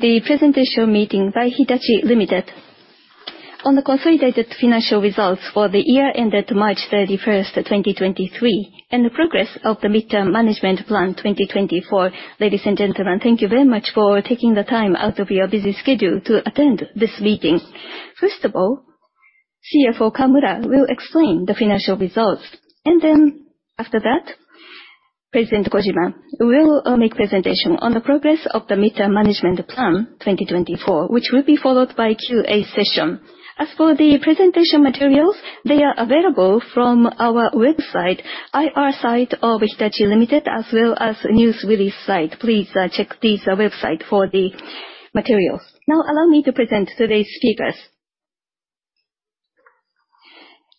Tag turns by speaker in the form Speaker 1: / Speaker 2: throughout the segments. Speaker 1: The presentation meeting by Hitachi, Ltd. on the consolidated financial results for the year ended March 31st, 2023, and the progress of the Mid-term Management Plan 2024. Ladies and gentlemen, thank you very much for taking the time out of your busy schedule to attend this meeting. CFO Kawamura will explain the financial results. After that, President Kojima will make presentation on the progress of the Mid-term Management Plan 2024, which will be followed by a QA session. The presentation materials are available from our website, IR site of Hitachi, Ltd., as well as news release site. Please check this website for the materials. Allow me to present today's speakers.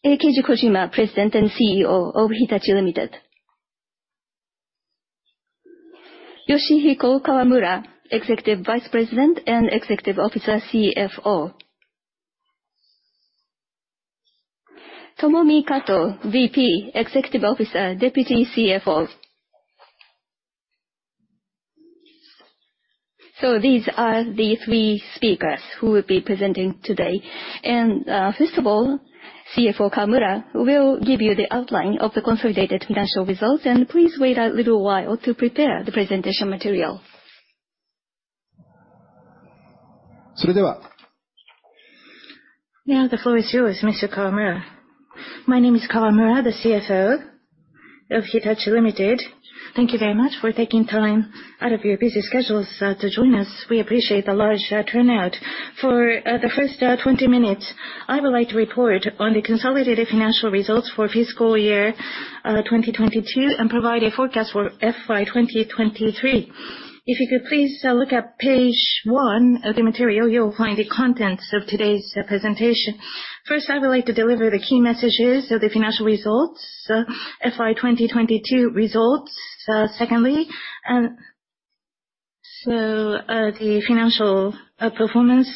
Speaker 1: Keiji Kojima, President and CEO of Hitachi, Ltd. Yoshihiko Kawamura, Executive Vice President and Executive Officer CFO. Tomomi Kato, VP, Executive Officer Deputy CFO. These are the three speakers who will be presenting today. CFO Kawamura will give you the outline of the consolidated financial results, and please wait a little while to prepare the presentation material. The floor is yours, Mr. Kawamura.
Speaker 2: My name is Kawamura, the CFO of Hitachi, Ltd. Thank you very much for taking time out of your busy schedules to join us. We appreciate the large turnout. For the first 20 minutes, I would like to report on the consolidated financial results for fiscal year 2022 and provide a forecast for FY 2023. If you could please look at page one of the material, you'll find the contents of today's presentation. I would like to deliver the key messages of the financial results, FY 2022 results. The financial performance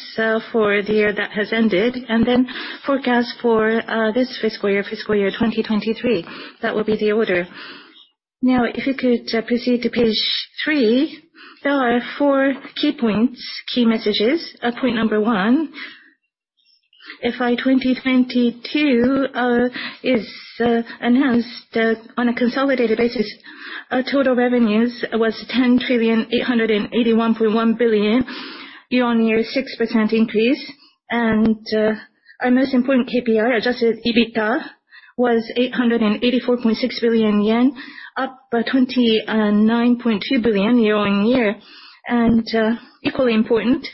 Speaker 2: for the year that has ended, and then forecast for this fiscal year, fiscal year 2023. That will be the order. If you could proceed to page three. There are four key points, key messages. Point number one, FY 2022 is enhanced on a consolidated basis. Total revenues was 10 trillion, 881.1 billion year-on-year, 6% increase. Our most important KPI, adjusted EBITDA, was 884.6 billion yen, up 29.2 billion year-on-year. Equally important,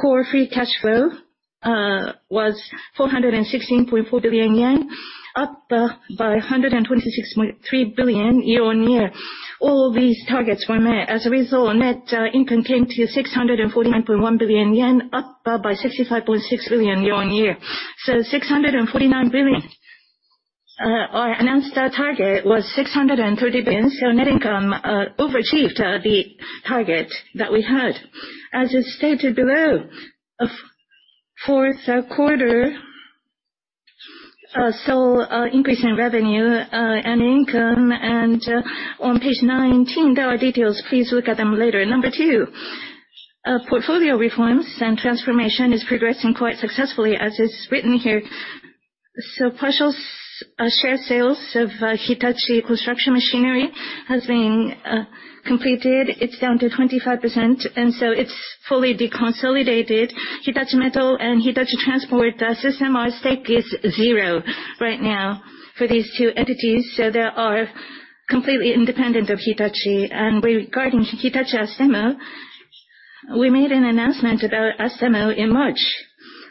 Speaker 2: core free cash flow was 416.4 billion yen, up by 126.3 billion year-on-year. All these targets were met. As a result, net income came to 649.1 billion yen, up by 65.6 billion year-on-year. 649 billion. Our announced target was 630 billion. Net income overachieved the target that we had. As is stated below, fourth quarter saw increase in revenue and income. On page 19, there are details. Please look at them later. Number two, portfolio reforms and transformation is progressing quite successfully, as is written here. Partial share sales of Hitachi Construction Machinery has been completed. It's down to 25%, and so it's fully deconsolidated. Hitachi Metals and Hitachi Transport System, our stake is zero right now for these two entities, so they are completely independent of Hitachi. Regarding Hitachi Astemo, we made an announcement about Astemo in March.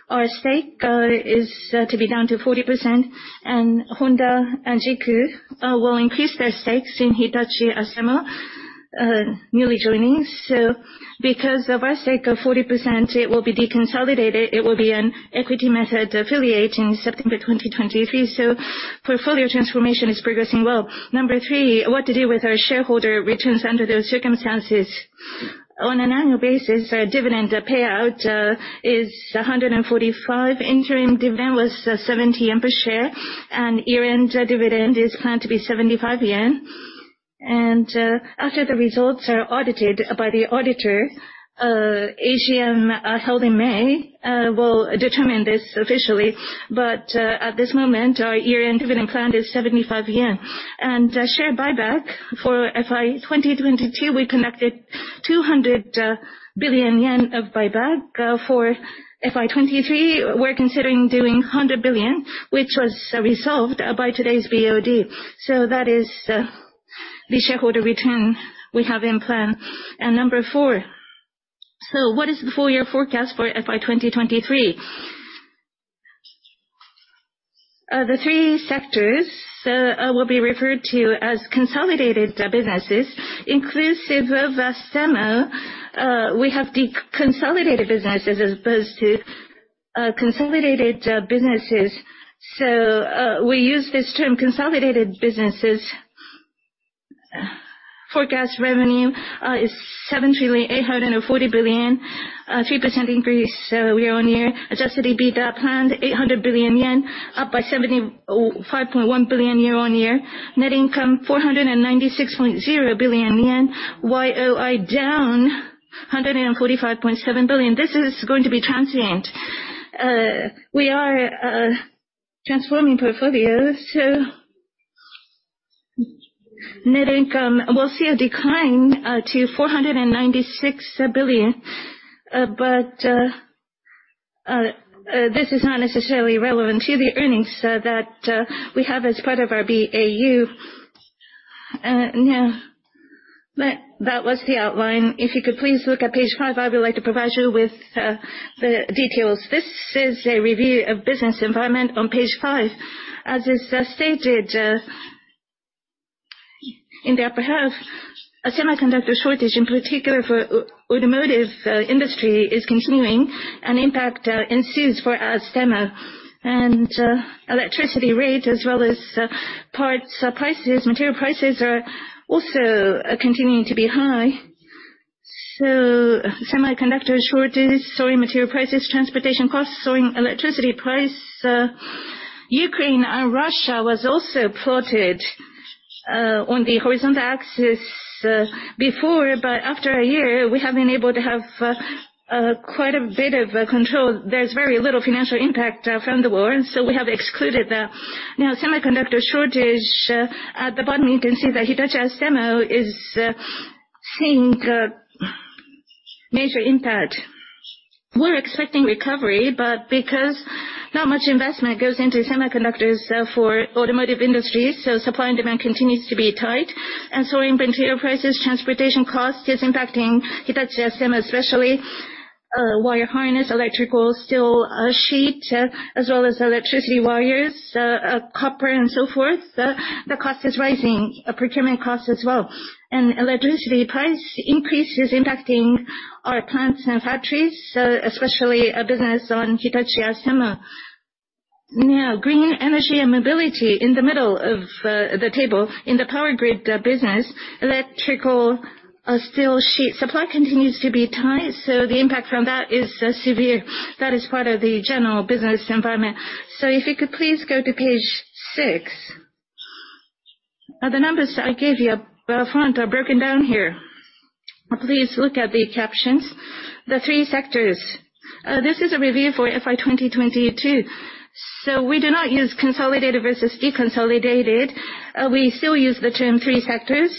Speaker 2: Our stake is to be down to 40%, and Honda and JIC will increase their stakes in Hitachi Astemo, newly joining. Because of our stake of 40%, it will be deconsolidated. It will be an equity method affiliate in September 2023. Portfolio transformation is progressing well. Number three, what to do with our shareholder returns under those circumstances. On an annual basis, our dividend payout is 145. Interim dividend was 70 yen per share, and year-end dividend is planned to be 75 yen. After the results are audited by the auditor, AGM, held in May, will determine this officially, but at this moment, our year-end dividend plan is 75 yen. Share buyback for FY 2022, we conducted 200 billion yen of buyback. For FY 2023, we're considering doing 100 billion, which was resolved by today's BOD. That is the shareholder return we have in plan. Number four, what is the full year forecast for FY 2023? The three sectors will be referred to as consolidated businesses inclusive of Astemo. We have deconsolidated businesses as opposed to consolidated businesses, so we use this term, consolidated businesses. Forecast revenue is 7,840 billion. A 3% increase year-on-year. Adjusted EBITDA planned 800 billion yen, up by 75.1 billion year-on-year. Net income 496.0 billion yen. YOI down 145.7 billion. This is going to be transient. We are transforming portfolio, so net income will see a decline to 496 billion, but this is not necessarily relevant to the earnings that we have as part of our BAU. That was the outline. If you could please look at page five, I would like to provide you with the details. This is a review of business environment on page five. As is stated in the upper half, a semiconductor shortage, in particular for automotive industry, is continuing, and impact ensues for Astemo. Electricity rates as well as parts prices, material prices, are also continuing to be high. Semiconductor shortages, soaring material prices, transportation costs, soaring electricity price. Ukraine and Russia was also plotted on the horizontal axis before, but after a year we have been able to have quite a bit of control. There's very little financial impact from the war, so we have excluded that. Semiconductor shortage, at the bottom you can see that Hitachi Astemo is seeing major impact. We're expecting recovery, but because not much investment goes into semiconductors for automotive industry, so supply and demand continues to be tight, and soaring material prices, transportation cost is impacting Hitachi Astemo, especially wire harness, electrical steel sheet, as well as electricity wires, copper and so forth. The cost is rising, procurement cost as well. Electricity price increase is impacting our plants and factories, especially business on Hitachi Astemo. Green Energy & Mobility in the middle of the table. In the power grid business, electrical steel sheet supply continues to be tight, so the impact from that is severe. That is part of the general business environment. If you could please go to page six. The numbers I gave you up front are broken down here. Please look at the captions. The three sectors. This is a review for FY 2022. We do not use consolidated versus deconsolidated. We still use the term three sectors.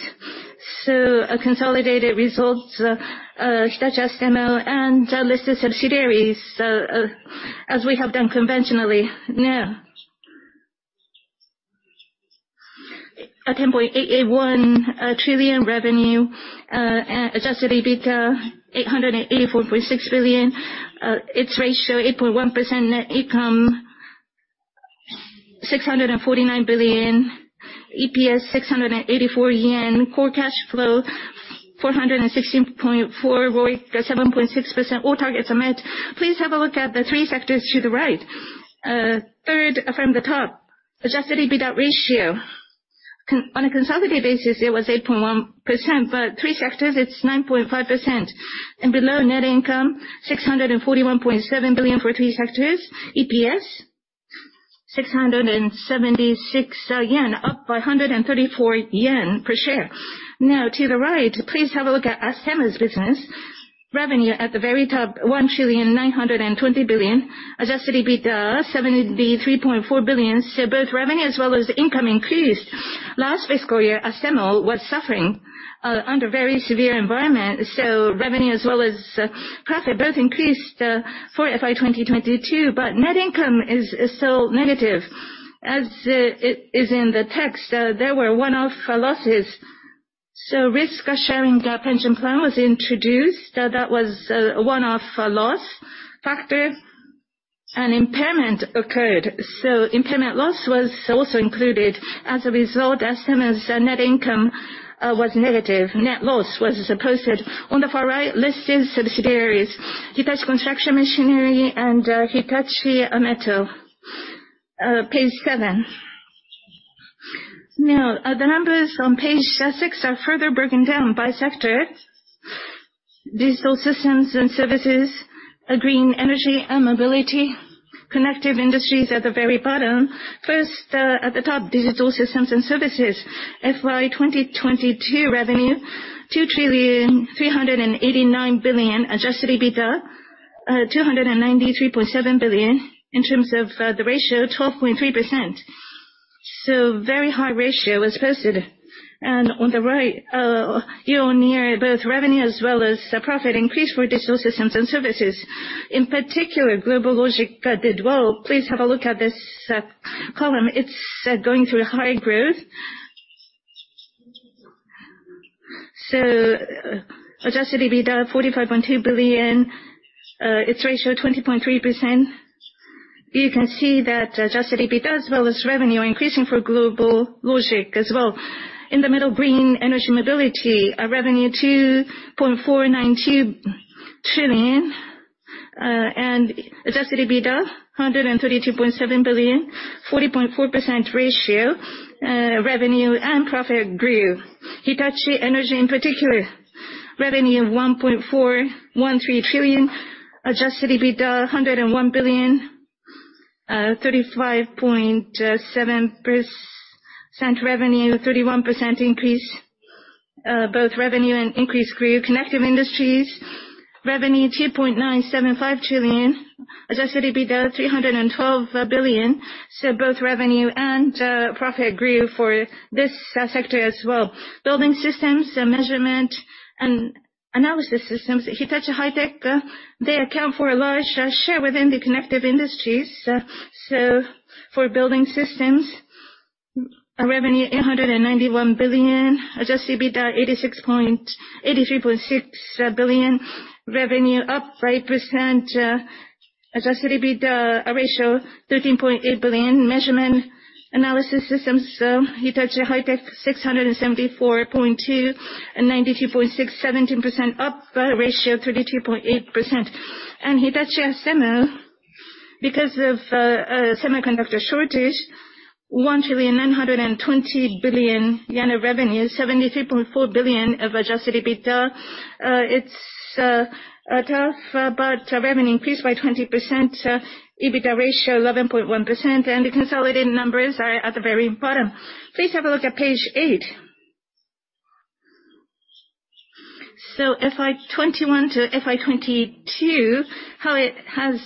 Speaker 2: A consolidated results, Hitachi Astemo and listed subsidiaries, as we have done conventionally. 10.881 trillion revenue, adjusted EBITDA 884.6 billion, its ratio 8.1%, net income 649 billion, EPS 684 yen, core cash flow 416.4, ROIC 7.6%. All targets are met. Please have a look at the three sectors to the right. Third from the top, adjusted EBITDA ratio. On a consolidated basis, it was 8.1%, but three sectors it's 9.5%. Below, net income 641.7 billion for three sectors, EPS 676 yen, up by 134 yen per share. To the right, please have a look at Astemo's business. Revenue at the very top, 1 trillion 920 billion. Adjusted EBITDA 73.4 billion. Both revenue as well as income increased. Last fiscal year, Astemo was suffering under very severe environment, revenue as well as profit both increased for FY 2022. Net income is still negative, as it is in the text. There were one-off losses. Risk-sharing pension plan was introduced. That was a one-off loss factor. An impairment occurred, impairment loss was also included. As a result, Astemo's net income was negative. Net loss was posted. On the far right, listed subsidiaries, Hitachi Construction Machinery and Hitachi Metals. Page seven. The numbers on page six are further broken down by sector. Digital Systems & Services, Green Energy & Mobility, Connective Industries at the very bottom. First, at the top, Digital Systems & Services. FY 2022 revenue 2 trillion 389 billion. Adjusted EBITDA 293.7 billion. In terms of the ratio, 12.3%. Very high ratio was posted. On the right, year-on-year, both revenue as well as profit increased for Digital Systems & Services. In particular, GlobalLogic did well. Please have a look at this column. It's going through high growth. Adjusted EBITDA 45.2 billion. Its ratio 20.3%. You can see that adjusted EBITDA as well as revenue are increasing for GlobalLogic as well. In the middle, Green Energy & Mobility, our revenue 2.492 trillion. Adjusted EBITDA, 132.7 billion, 40.4% ratio, revenue and profit grew. Hitachi Energy in particular, revenue 1.413 trillion, adjusted EBITDA 101 billion, 35.7% revenue, 31% increase. Both revenue and profit grew. Connective Industries revenue, 2.975 trillion. Adjusted EBITDA, 312 billion. Both revenue and profit grew for this sector as well. Building Systems, Measurement and Analysis Systems, Hitachi High-Tech, they account for a large share within the Connective Industries. For Building Systems, revenue 891 billion, adjusted EBITDA 83.6 billion. Revenue up 8%. Adjusted EBITDA ratio 13.8 billion. Measurement and Analysis Systems, Hitachi High-Tech 674.2 and 92.6, 17% up, ratio 33.8%. Hitachi Astemo, because of semiconductor shortage, 1 trillion 920 billion of revenue, 73.4 billion of adjusted EBITDA. It's tough, revenue increased by 20%, EBITDA ratio 11.1%. The consolidated numbers are at the very bottom. Please have a look at page eight. FY 2021 to FY 2022, how it has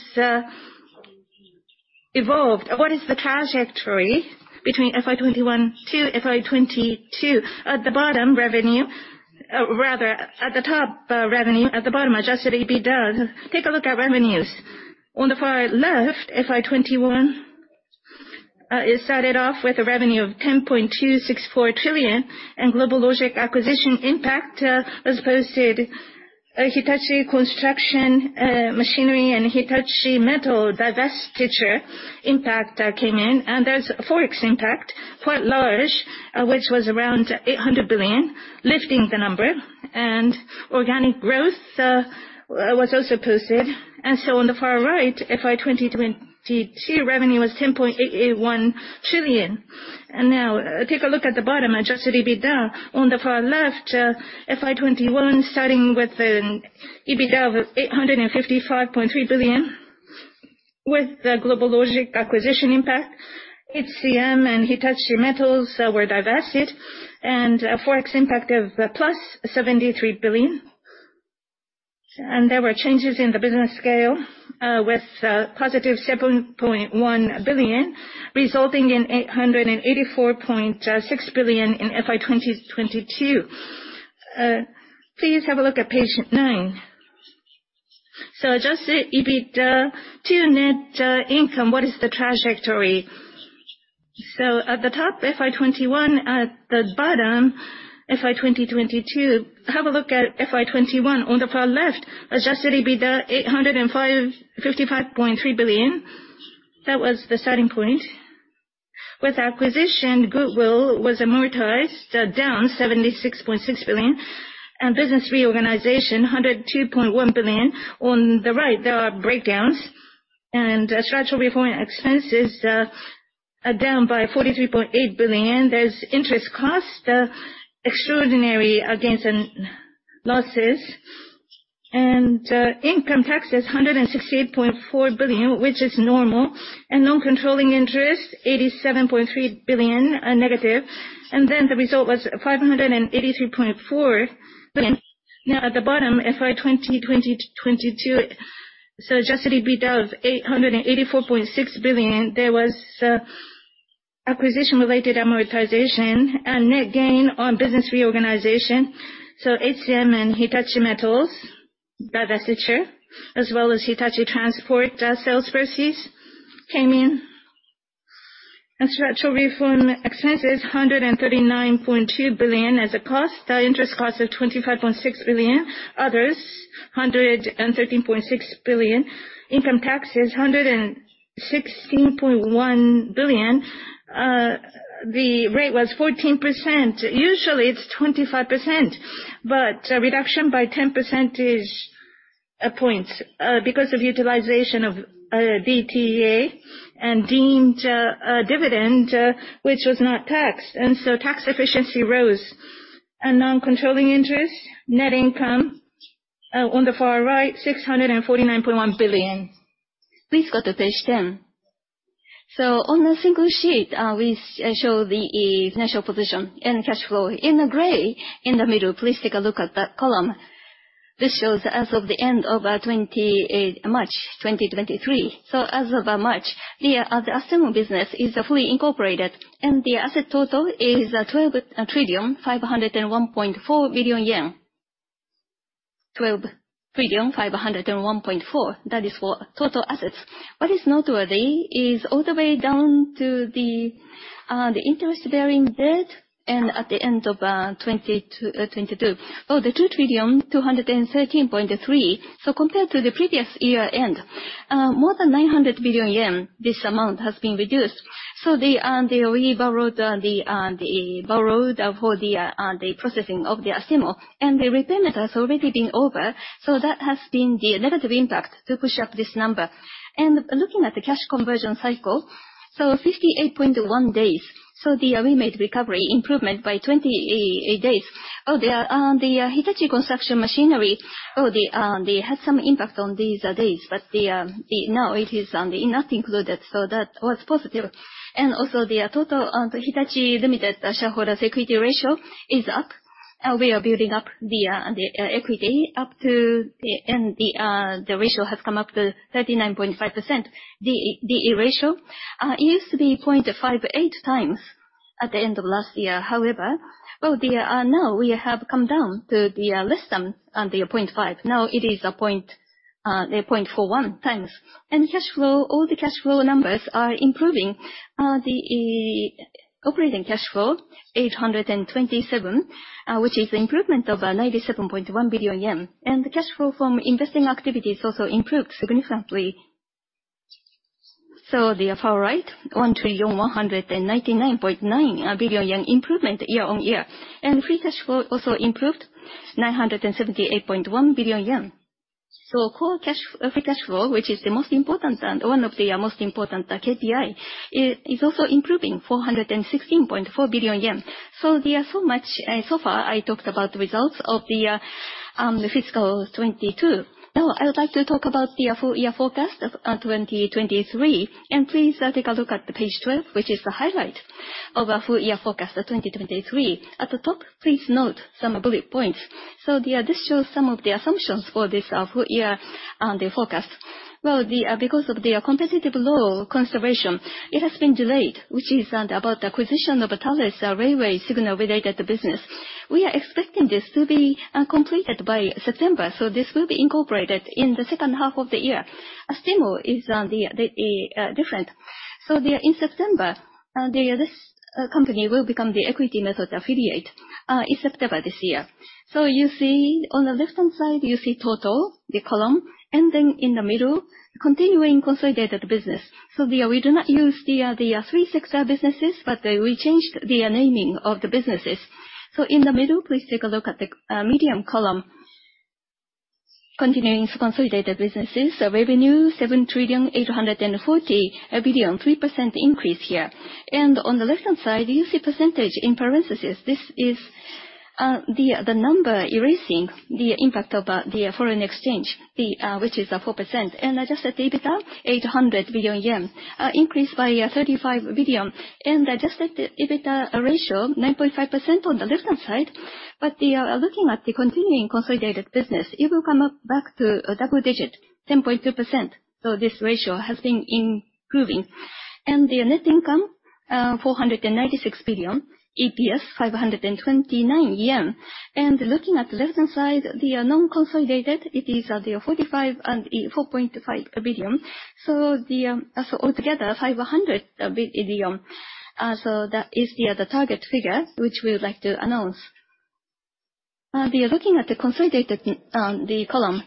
Speaker 2: evolved. What is the trajectory between FY 2021 to FY 2022? At the bottom, revenue, rather at the top, revenue, at the bottom, adjusted EBITDA. Take a look at revenues. On the far left, FY 2021, it started off with a revenue of 10.264 trillion in GlobalLogic acquisition impact, as posted. Hitachi Construction Machinery and Hitachi Metals divestiture impact came in, there's Forex impact, quite large, which was around 800 billion, lifting the number. Organic growth was also posted. FY 2022 revenue was 10.881 trillion. Take a look at the bottom, adjusted EBITDA. On the far left, FY 2021 starting with an EBITDA of 855.3 billion, with the GlobalLogic acquisition impact, HCM and Hitachi Metals were divested, a Forex impact of plus 73 billion. There were changes in the business scale, with positive 7.1 billion, resulting in 884.6 billion in FY 2022. Please have a look at page nine. Adjusted EBITDA to net income, what is the trajectory? At the top, FY 2021, at the bottom, FY 2022. Have a look at FY 2021. On the far left, adjusted EBITDA 855.3 billion. That was the starting point. With acquisition, goodwill was amortized down 76.6 billion, business reorganization, 102.1 billion. On the right, there are breakdowns, structural reform expenses are down by 43.8 billion. There is interest cost, extraordinary gains and losses, income taxes, 168.4 billion, which is normal, non-controlling interest, 87.3 billion negative. The result was 583.4 billion. At the bottom, FY 2022, adjusted EBITDA of JPY 884.6 billion, there was acquisition-related amortization and net gain on business reorganization. HCM and Hitachi Metals divestiture, as well as Hitachi Transport sales proceeds came in. Structural reform expenses, 139.2 billion as a cost. Interest cost of 25.6 billion. Others, 113.6 billion. Income taxes, 116.1 billion. The rate was 14%. Usually, it is 25%, but reduction by 10 percentage points because of utilization of DTA and deemed dividend, which was not taxed. Tax efficiency rose. Non-controlling interest, net income, on the far right, 649.1 billion.
Speaker 3: Please go to page 10. On a single sheet, we show the financial position and cash flow. In the gray, in the middle, please take a look at that column. This shows as of the end of March 2023. As of March, the Astemo business is fully incorporated, the asset total is 12 trillion, 501.4 billion. 12 trillion, 501.4. That is for total assets. What is noteworthy is all the way down to the interest-bearing debt at the end of 2022. The 2 trillion, 213.3, compared to the previous year end More than 900 billion yen, this amount has been reduced. We borrowed for the processing of the Astemo, the repayment has already been over. That has been the negative impact to push up this number. Looking at the cash conversion cycle, 58.1 days. We made recovery improvement by 28 days. The Hitachi Construction Machinery had some impact on these days, but now it is not included, that was positive. The total Hitachi, Ltd. shareholder security ratio is up. We are building up the equity up, the ratio has come up to 39.5%. The ratio used to be 0.58 times at the end of last year. However, now we have come down to less than 0.5. Now it is 0.41 times. Cash flow, all the cash flow numbers are improving. The operating cash flow, 827, which is improvement of 97.1 billion yen. The cash flow from investing activities also improved significantly. The far right, 1,199.9 billion yen improvement year-over-year. Free cash flow also improved, 978.1 billion yen. Core free cash flow, which is one of the most important KPI, is also improving, 416.4 billion yen. There are so much. Far, I talked about the results of the FY 2022. Now I would like to talk about the full year forecast of 2023. Please take a look at the page 12, which is the highlight of our full year forecast of 2023. At the top, please note some bullet points. This shows some of the assumptions for this full year forecast. Because of the competitive law consideration, it has been delayed, which is about the acquisition of Thales railway signal-related business. We are expecting this to be completed by September, so this will be incorporated in the second half of the year. Astemo is different. In September, this company will become the equity method affiliate in September this year. On the left-hand side, you see total, the column, in the middle, continuing consolidated business. We do not use the three sector businesses, but we changed the naming of the businesses. In the middle, please take a look at the middle column. Continuing consolidated businesses, revenue 7,840 billion, 3% increase here. On the left-hand side, you see percentage in parenthesis. This is the number erasing the impact of the foreign exchange, which is 4%. Adjusted EBITDA, 800 billion yen, increased by 35 billion. Adjusted EBITDA ratio, 9.5% on the left-hand side, but looking at the continuing consolidated business, it will come up back to double digit, 10.2%. This ratio has been improving. The net income, 496 billion, EPS 529 yen. Looking at the left-hand side, the non-consolidated, it is 45 and 4.5 billion. Altogether, 500 billion. That is the target figure, which we would like to announce. Looking at the consolidated column,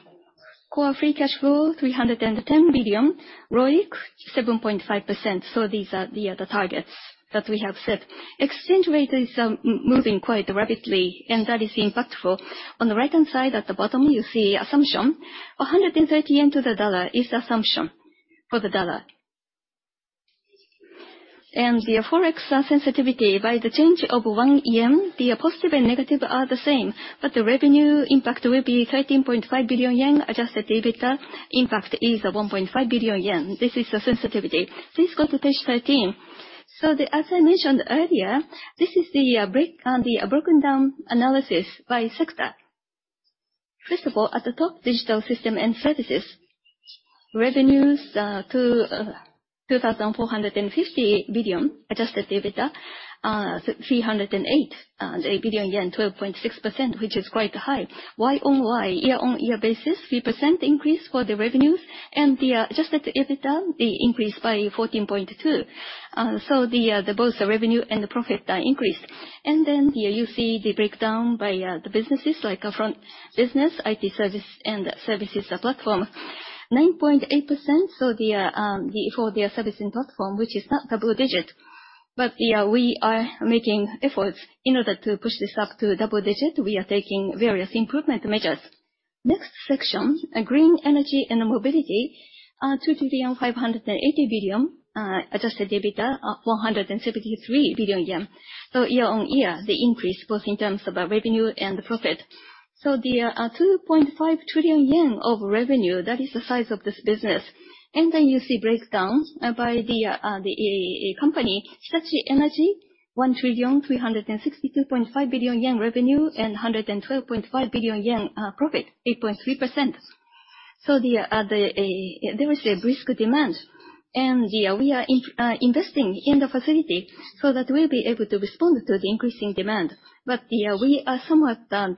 Speaker 3: core free cash flow, 310 billion, ROIC 7.5%. These are the targets that we have set. Exchange rate is moving quite rapidly, and that is impactful. On the right-hand side, at the bottom, you see assumption, 130 yen to the USD is the assumption for the USD. The Forex sensitivity by the change of 1 yen, the positive and negative are the same, but the revenue impact will be 13.5 billion yen, adjusted EBITDA impact is 1.5 billion yen. This is the sensitivity. Please go to page 13. As I mentioned earlier, this is the broken down analysis by sector. First of all, at the top, Digital Systems & Services. Revenues 2,450 billion, adjusted EBITDA 308 billion yen, 12.6%, which is quite high. Year-on-year, year-on-year basis, 3% increase for the revenues, and the adjusted EBITDA increased by 14.2%. Both the revenue and the profit are increased. You see the breakdown by the businesses, like front business, IT service, and services platform. 9.8% for the service and platform, which is not double digit. We are making efforts in order to push this up to double digit. We are taking various improvement measures. Next section, Green Energy & Mobility, 2,580 billion, adjusted EBITDA 173 billion yen. Year-on-year, the increase, both in terms of revenue and profit. The 2.5 trillion yen of revenue, that is the size of this business. You see breakdown by the company, Hitachi Energy, 1,362.5 billion yen revenue and 112.5 billion yen profit, 8.3%. There is a brisk demand, and we are investing in the facility so that we will be able to respond to the increasing demand. We are somewhat slow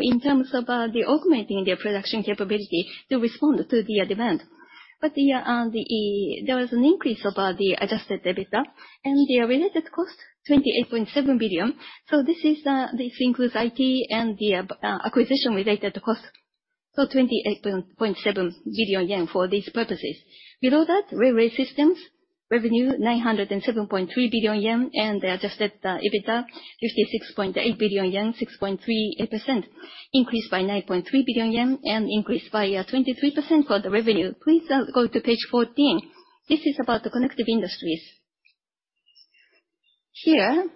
Speaker 3: in terms of augmenting the production capability to respond to the demand. There was an increase of the adjusted EBITDA and the related cost, 28.7 billion. This includes IT and the acquisition-related cost, 28.7 billion yen for these purposes. Below that, Railway Systems, revenue 907.3 billion yen, and the adjusted EBITDA 56.8 billion yen, 6.38%, increase by 9.3 billion yen, and increase by 23% for the revenue. Please go to page 14. This is about the Connective Industries. Here,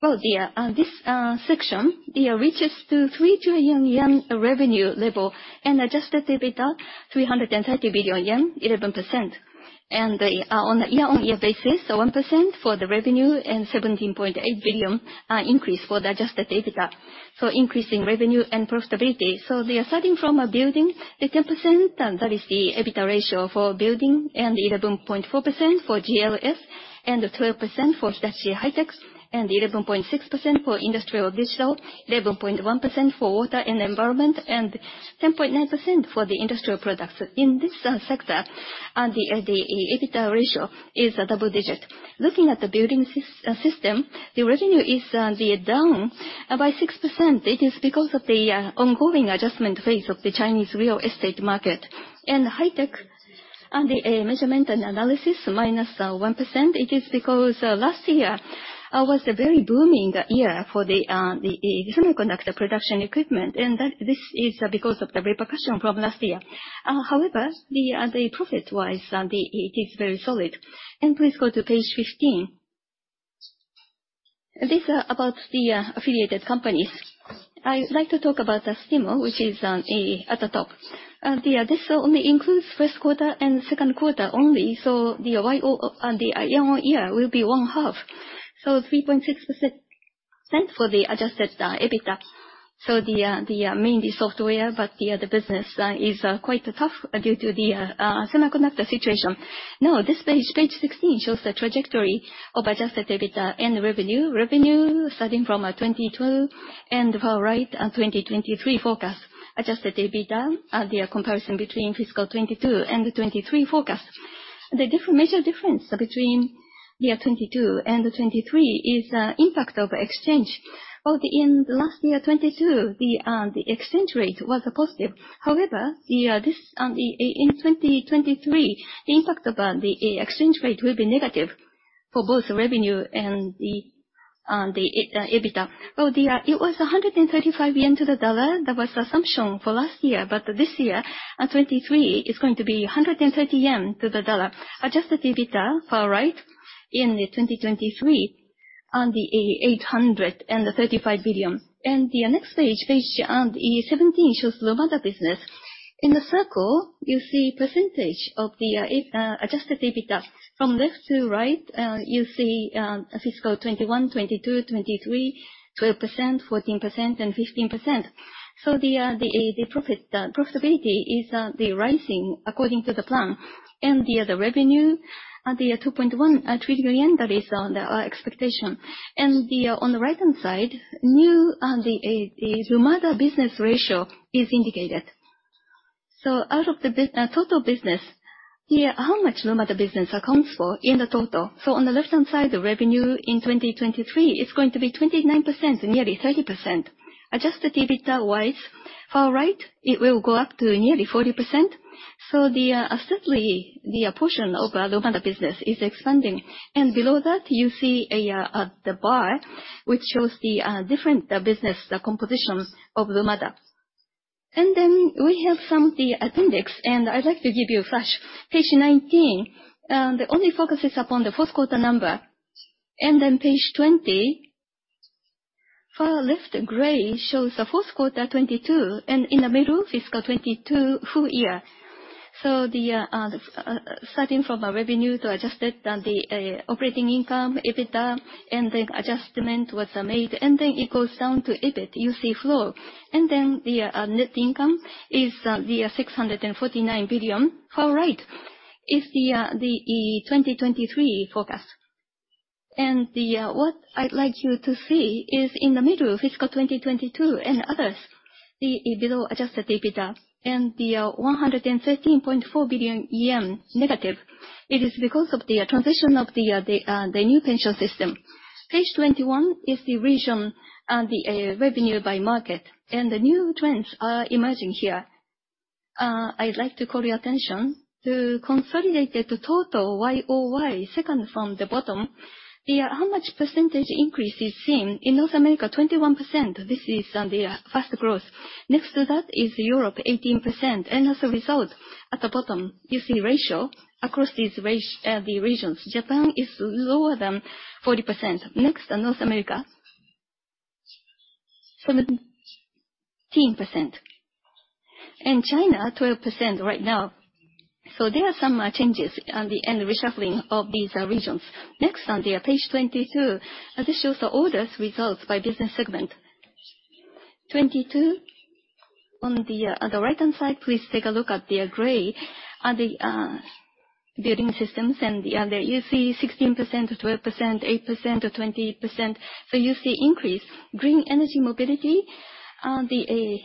Speaker 3: this section reaches to 3 trillion yen revenue level and adjusted EBITDA 330 billion yen, 11%. On a year-on-year basis, 1% for the revenue and 17.8 billion increase for the adjusted EBITDA. Increasing revenue and profitability. They are starting from building 10%, and that is the EBITDA ratio for Building Systems, and 11.4% for GLS, and 12% for Hitachi High-Tech, and 11.6% for Industrial Digital, 11.1% for water and environment, and 10.9% for the industrial products. In this sector, the EBITDA ratio is double digit. Looking at the Building Systems, the revenue is down by 6%. It is because of the ongoing adjustment phase of the Chinese real estate market. In High-Tech, the measurement and analysis, -1%, it is because last year was a very booming year for the semiconductor production equipment, and this is because of the repercussion from last year. However, profit-wise, it is very solid. Please go to page 15. This is about the affiliated companies. I would like to talk about the Astemo, which is at the top. This only includes first quarter and second quarter only, the year-on-year will be one half. 3.6% for the adjusted EBITDA. This page 16, shows the trajectory of adjusted EBITDA and revenue. Revenue starting from 2012, and far right 2023 forecast. Adjusted EBITDA, the comparison between FY 2022 and the 2023 forecast. The major difference between year 2022 and 2023 is impact of exchange. In last year 2022, the exchange rate was positive. However, in 2023, the impact of the exchange rate will be negative for both revenue and the EBITDA. It was 135 yen to the dollar, that was the assumption for last year, but this year 2023, it is going to be 130 yen to the dollar. Adjusted EBITDA, far right, in 2023, 835 billion. The next page 17, shows Lumada business. In the circle, you see percentage of the adjusted EBITDA. From left to right, you see FY 2021, 2022, 2023, 12%, 14%, and 15%. The profitability is rising according to the plan. The revenue, 2.1 trillion, that is our expectation. On the right-hand side, new Lumada business ratio is indicated. Out of the total business, here, how much Lumada business accounts for in the total. On the left-hand side, the revenue in 2023 is going to be 29%, nearly 30%. Adjusted EBITDA-wise, far right, it will go up to nearly 40%. Certainly, the portion of Lumada business is expanding. Below that, you see the bar, which shows the different business compositions of Lumada. Then we have some appendix, and I would like to give you a flash. Page 19 only focuses upon the fourth quarter number. Page 20, far left in gray, shows the fourth quarter 2022, and in the middle, fiscal 2022 full year. Starting from revenue to adjusted operating income, EBITDA, the adjustment was made, and it goes down to EBIT. You see flow. The net income is 649 billion. Far right is the 2023 forecast. What I'd like you to see is in the middle, fiscal 2022 and others, below adjusted EBITDA and the 113.4 billion yen negative, it is because of the transition of the new pension system. Page 21 is the region revenue by market, and new trends are emerging here. I'd like to call your attention to consolidated total year-over-year, second from the bottom. Here, how much percentage increase is seen? In North America, 21%. This is the fastest growth. Next to that is Europe, 18%. As a result, at the bottom, you see ratio across the regions. Japan is lower than 40%. Next, North America, 17%. China, 12% right now. There are some changes and reshuffling of these regions. Next, page 22. This shows the orders results by business segment. Page 22, on the right-hand side, please take a look at the gray. Building systems and the other, you see 16%, 12%, 8% or 20%. You see increase. Green Energy & Mobility, the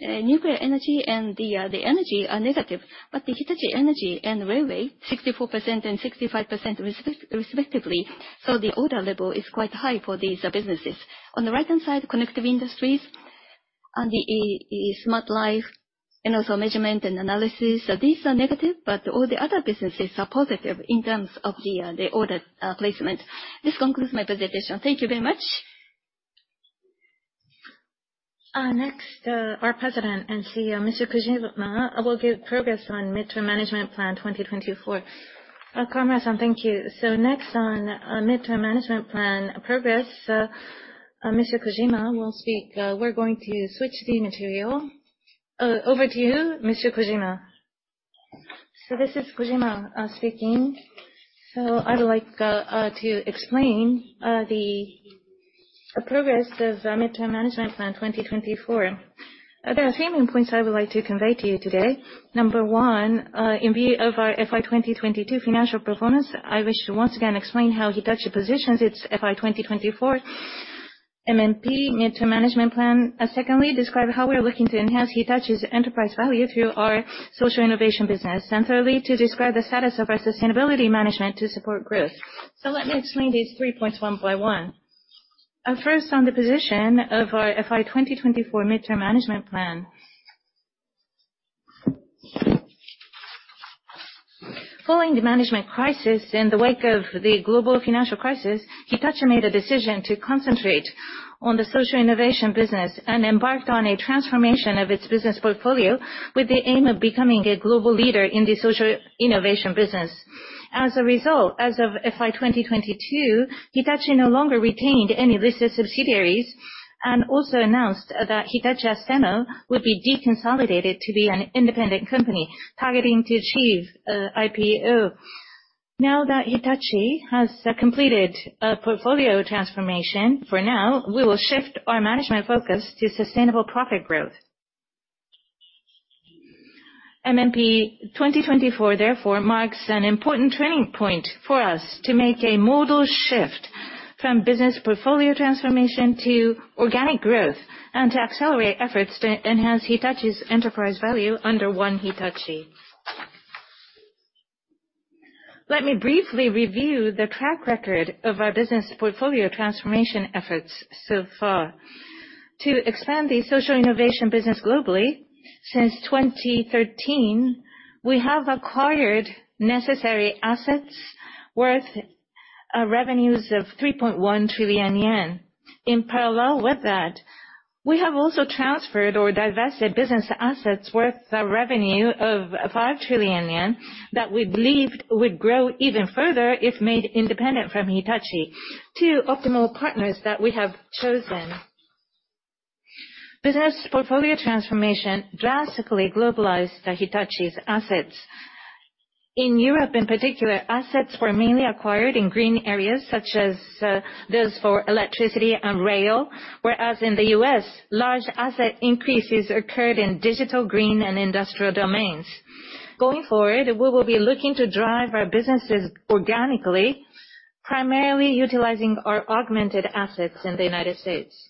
Speaker 3: nuclear energy and the energy are negative, but Hitachi Energy and Railway, 64% and 65% respectively, the order level is quite high for these businesses. On the right-hand side, Connective Industries and the smart life and also measurement and analysis. These are negative, but all the other businesses are positive in terms of the order placement. This concludes my presentation. Thank you very much.
Speaker 1: Next, our President and CEO, Mr. Kojima, will give progress on Mid-term Management Plan 2024. Kawamura-san, thank you. Next on Mid-term Management Plan progress, Mr. Kojima will speak. We're going to switch the material. Over to you, Mr. Kojima. This is Kojima speaking. I would like to explain the progress of Mid-term Management Plan 2024. There are three main points I would like to convey to you today. Number 1, in view of our FY 2022 financial performance, I wish to once again explain how Hitachi positions its FY 2024 MMP, Mid-term Management Plan. Secondly, describe how we're looking to enhance Hitachi's enterprise value through our social innovation business. Thirdly, to describe the status of our sustainability management to support growth. Let me explain these three points one by one. First, on the position of our FY 2024 Mid-term Management Plan.
Speaker 2: Following the management crisis in the wake of the global financial crisis, Hitachi made a decision to concentrate on the social innovation business and embarked on a transformation of its business portfolio with the aim of becoming a global leader in the social innovation business. As a result, as of FY 2022, Hitachi no longer retained any listed subsidiaries and also announced that Hitachi Astemo would be deconsolidated to be an independent company, targeting to achieve IPO. Now that Hitachi has completed a portfolio transformation, for now, we will shift our management focus to sustainable profit growth. MMP 2024 therefore marks an important turning point for us to make a modal shift from business portfolio transformation to organic growth, and to accelerate efforts to enhance Hitachi's enterprise value under One Hitachi. Let me briefly review the track record of our business portfolio transformation efforts so far. To expand the social innovation business globally, since 2013, we have acquired necessary assets worth revenues of 3.1 trillion yen. In parallel with that, we have also transferred or divested business assets worth a revenue of 5 trillion yen that we believed would grow even further if made independent from Hitachi to optimal partners that we have chosen. Business portfolio transformation drastically globalized Hitachi's assets. In Europe, in particular, assets were mainly acquired in green areas such as those for electricity and rail. Whereas in the U.S., large asset increases occurred in digital, green, and industrial domains. Going forward, we will be looking to drive our businesses organically, primarily utilizing our augmented assets in the United States.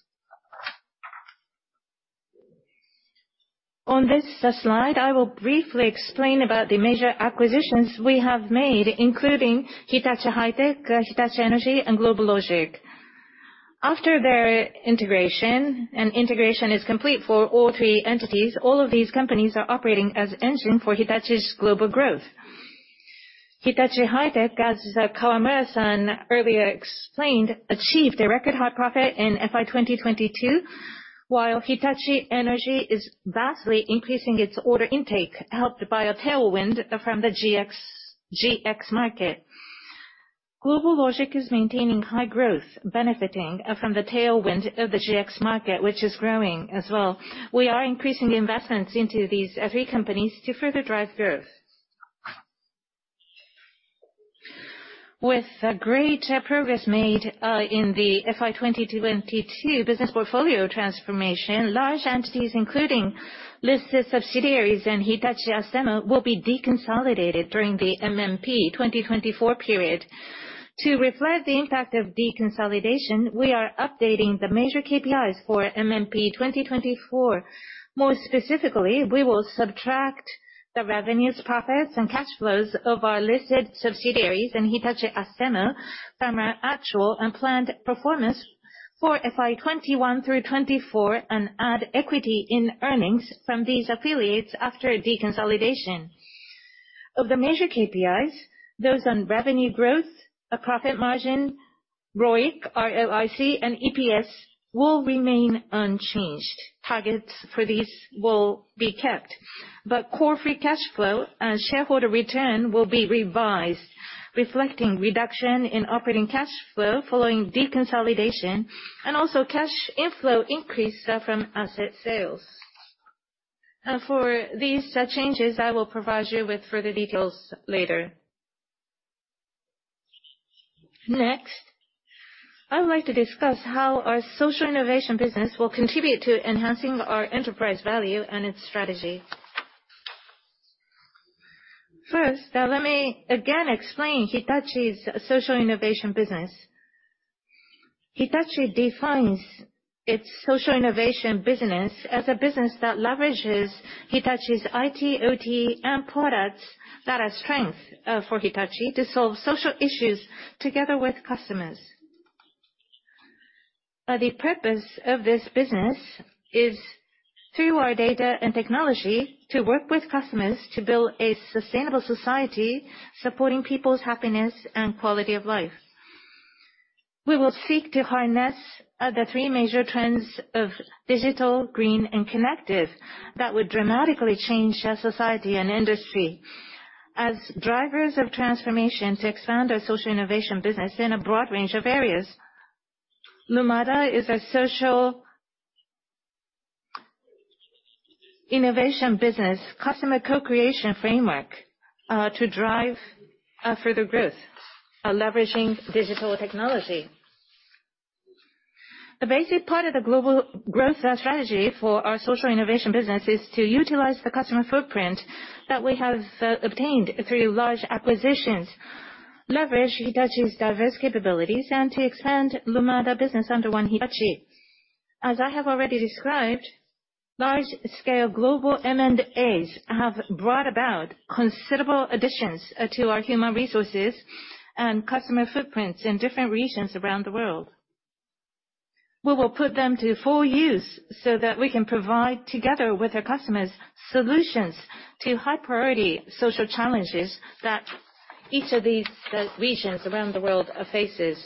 Speaker 2: On this slide, I will briefly explain about the major acquisitions we have made, including Hitachi High-Tech, Hitachi Energy, and GlobalLogic. After their integration, and integration is complete for all three entities, all of these companies are operating as engine for Hitachi's global growth. Hitachi High-Tech, as Kawamura-san earlier explained, achieved a record high profit in FY 2022, while Hitachi Energy is vastly increasing its order intake, helped by a tailwind from the GX market. GlobalLogic is maintaining high growth, benefiting from the tailwind of the GX market, which is growing as well. We are increasing investments into these three companies to further drive growth. With great progress made in the FY 2022 business portfolio transformation, large entities, including listed subsidiaries and Hitachi Astemo, will be deconsolidated during the MMP 2024 period. To reflect the impact of deconsolidation, we are updating the major KPIs for MMP 2024. More specifically, we will subtract the revenues, profits, and cash flows of our listed subsidiaries and Hitachi Astemo from our actual and planned performance for FY 2021 through 2024, and add equity in earnings from these affiliates after deconsolidation. Of the major KPIs, those on revenue growth, profit margin, ROIC, and EPS will remain unchanged. Targets for these will be kept. Core free cash flow and shareholder return will be revised, reflecting reduction in operating cash flow following deconsolidation, and also cash inflow increase from asset sales. For these changes, I will provide you with further details later. Next, I would like to discuss how our social innovation business will contribute to enhancing our enterprise value and its strategy. First, let me again explain Hitachi's social innovation business. Hitachi defines its social innovation business as a business that leverages Hitachi's IT, OT, and products that are strength for Hitachi to solve social issues together with customers. The purpose of this business is, through our data and technology, to work with customers to build a sustainable society, supporting people's happiness and quality of life. We will seek to harness the three major trends of digital, green, and connective that would dramatically change our society and industry. As drivers of transformation to expand our social innovation business in a broad range of areas, Lumada is a social innovation business customer co-creation framework to drive further growth, leveraging digital technology. The basic part of the global growth strategy for our social innovation business is to utilize the customer footprint that we have obtained through large acquisitions, leverage Hitachi's diverse capabilities, and to expand Lumada business under One Hitachi. As I have already described, large-scale global M&As have brought about considerable additions to our human resources and customer footprints in different regions around the world. We will put them to full use so that we can provide, together with our customers, solutions to high-priority social challenges that each of these regions around the world faces.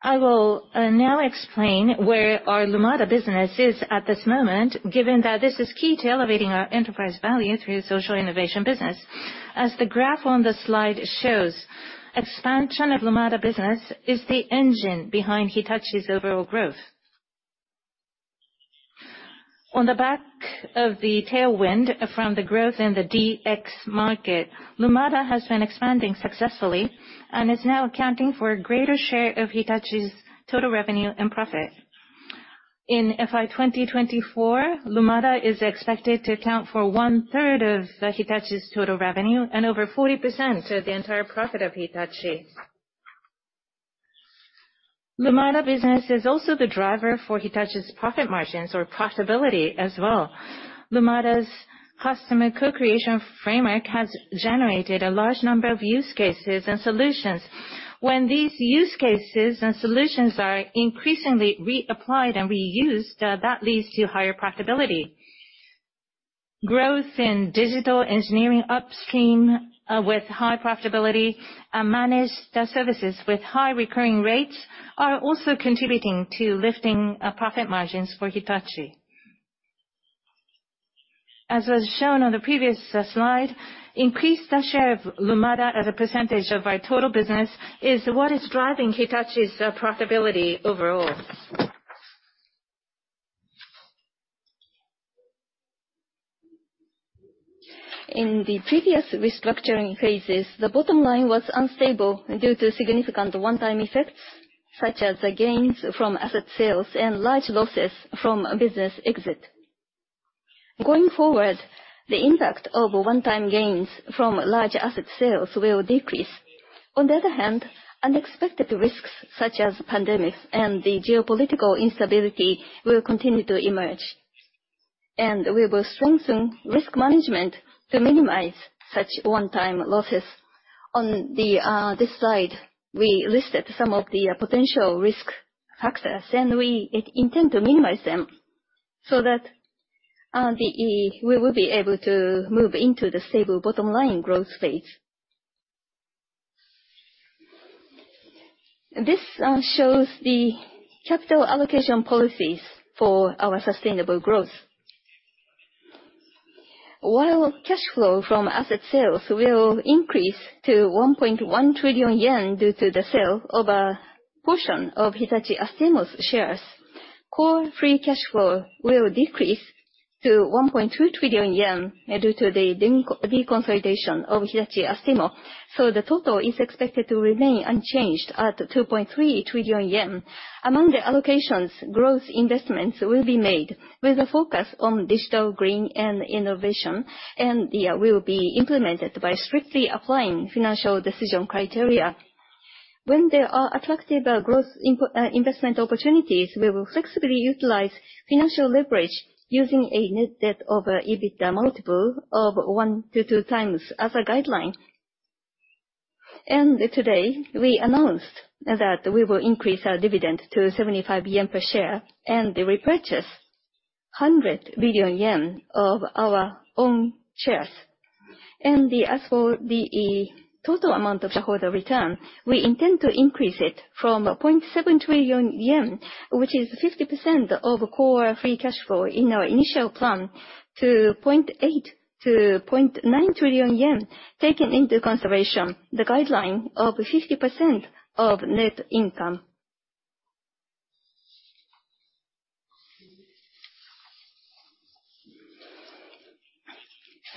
Speaker 2: I will now explain where our Lumada business is at this moment, given that this is key to elevating our enterprise value through social innovation business. As the graph on the slide shows, expansion of Lumada business is the engine behind Hitachi's overall growth. On the back of the tailwind from the growth in the DX market, Lumada has been expanding successfully and is now accounting for a greater share of Hitachi's total revenue and profit. In FY 2024, Lumada is expected to account for one-third of Hitachi's total revenue and over 40% of the entire profit of Hitachi. Lumada business is also the driver for Hitachi's profit margins or profitability as well. Lumada's customer co-creation framework has generated a large number of use cases and solutions. When these use cases and solutions are increasingly reapplied and reused, that leads to higher profitability. Growth in digital engineering upstream with high profitability and managed services with high recurring rates are also contributing to lifting profit margins for Hitachi. As was shown on the previous slide, increased share of Lumada as a percentage of our total business is what is driving Hitachi's profitability overall. In the previous restructuring phases, the bottom line was unstable due to significant one-time effects, such as gains from asset sales and large losses from business exit. Going forward, the impact of one-time gains from large asset sales will decrease. On the other hand, unexpected risks such as pandemics and geopolitical instability will continue to emerge, and we will strengthen risk management to minimize such one-time losses. On this slide, we listed some of the potential risk factors, and we intend to minimize them so that we will be able to move into the stable bottom line growth phase. This shows the capital allocation policies for our sustainable growth. While cash flow from asset sales will increase to 1.1 trillion yen due to the sale of a portion of Hitachi Astemo's shares, core free cash flow will decrease to 1.2 trillion yen due to the deconsolidation of Hitachi Astemo, so the total is expected to remain unchanged at 2.3 trillion yen. Among the allocations, growth investments will be made with a focus on digital, green, and innovation, and will be implemented by strictly applying financial decision criteria. When there are attractive growth investment opportunities, we will flexibly utilize financial leverage using a net debt/EBITDA multiple of one to two times as a guideline. Today, we announced that we will increase our dividend to 75 yen per share and repurchase 100 billion yen of our own shares. As for the total amount of shareholder return, we intend to increase it from 0.7 trillion yen, which is 50% of core free cash flow in our initial plan, to 0.8 trillion-0.9 trillion yen, taking into consideration the guideline of 50% of net income.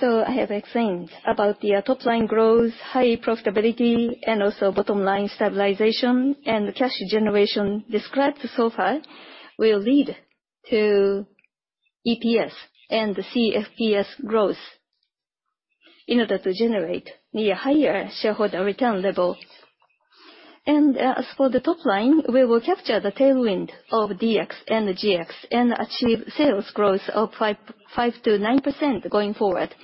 Speaker 2: I have explained about the top line growth, high profitability, and also bottom line stabilization and cash generation described so far will lead to EPS and CFPS growth in order to generate the higher shareholder return level. As for the top line, we will capture the tailwind of DX and GX and achieve sales growth of 5%-9% going forward.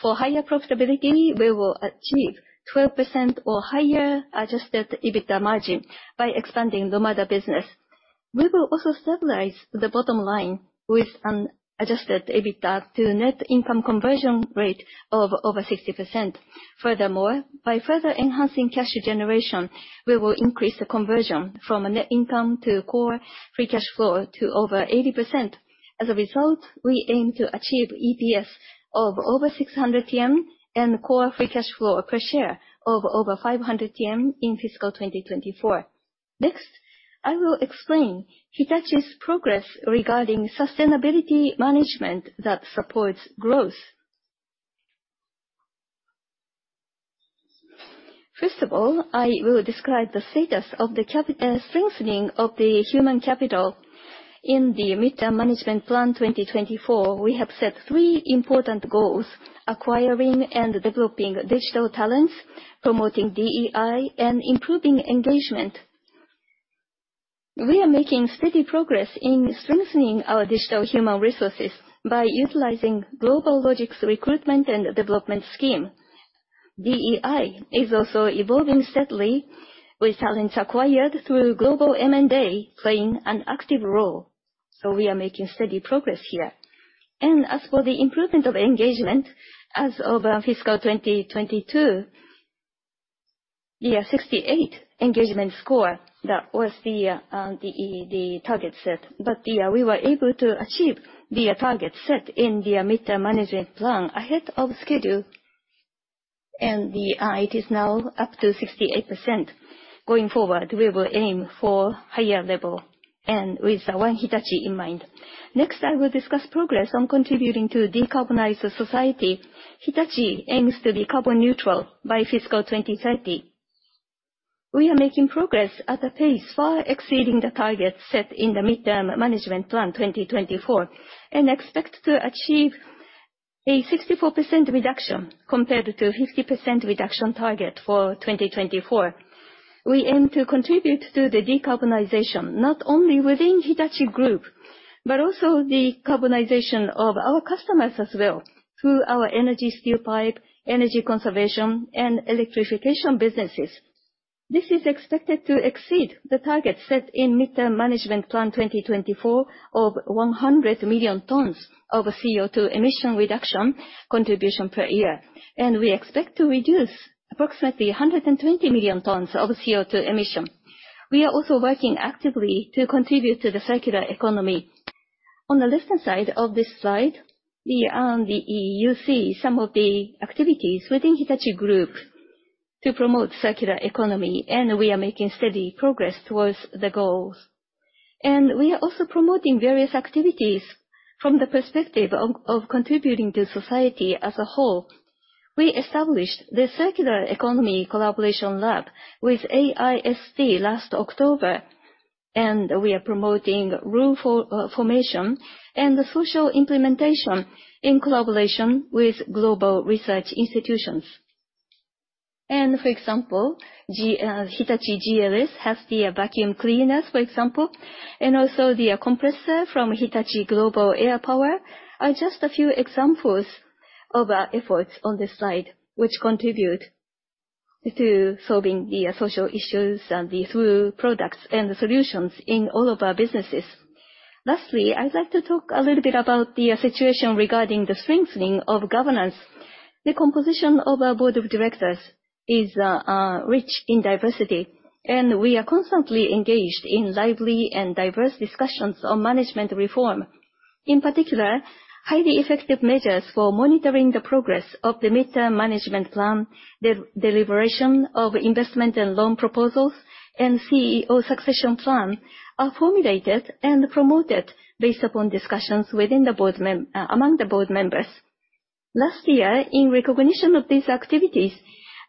Speaker 2: For higher profitability, we will achieve 12% or higher adjusted EBITDA margin by expanding the Lumada business. We will also stabilize the bottom line with an adjusted EBITDA to net income conversion rate of over 60%. Furthermore, by further enhancing cash generation, we will increase the conversion from net income to core free cash flow to over 80%. As a result, we aim to achieve EPS of over 600 yen and core free cash flow per share of over 500 yen in FY 2024. Next, I will explain Hitachi's progress regarding sustainability management that supports growth. First of all, I will describe the status of the strengthening of the human capital. In the Mid-term Management Plan 2024, we have set three important goals, acquiring and developing digital talents, promoting DEI, and improving engagement. We are making steady progress in strengthening our digital human resources by utilizing GlobalLogic's recruitment and development scheme. DEI is also evolving steadily with talents acquired through global M&A playing an active role. We are making steady progress here. As for the improvement of engagement, as of FY 2022, a 68% engagement score, that was the target set. We were able to achieve the target set in the Mid-term Management Plan ahead of schedule, and it is now up to 68%. Going forward, we will aim for higher level and with One Hitachi in mind. Next, I will discuss progress on contributing to a decarbonized society. Hitachi aims to be carbon neutral by FY 2030. We are making progress at a pace far exceeding the target set in the Mid-term Management Plan 2024 and expect to achieve a 64% reduction compared to 50% reduction target for 2024. We aim to contribute to the decarbonization not only within Hitachi Group, but also the carbonization of our customers as well through our energy steel pipe, energy conservation, and electrification businesses. This is expected to exceed the target set in Mid-term Management Plan 2024 of 100 million tons of CO2 emission reduction contribution per year, and we expect to reduce approximately 120 million tons of CO2 emission. We are also working actively to contribute to the circular economy. On the left-hand side of this slide, you see some of the activities within Hitachi Group to promote circular economy. We are making steady progress towards the goals. We are also promoting various activities from the perspective of contributing to society as a whole. We established the Circular Economy Collaboration Lab with AIST last October. We are promoting rule formation and social implementation in collaboration with global research institutions. For example, Hitachi GLS has the vacuum cleaners, for example, and also the compressor from Hitachi Global Air Power, are just a few examples of our efforts on this slide, which contribute to solving the social issues and through products and solutions in all of our businesses. Lastly, I'd like to talk a little bit about the situation regarding the strengthening of governance. The composition of our Board of Directors is rich in diversity. We are constantly engaged in lively and diverse discussions on management reform. In particular, highly effective measures for monitoring the progress of the Mid-term Management Plan, the deliberation of investment and loan proposals, and CEO succession plan, are formulated and promoted based upon discussions among the Board members. Last year, in recognition of these activities,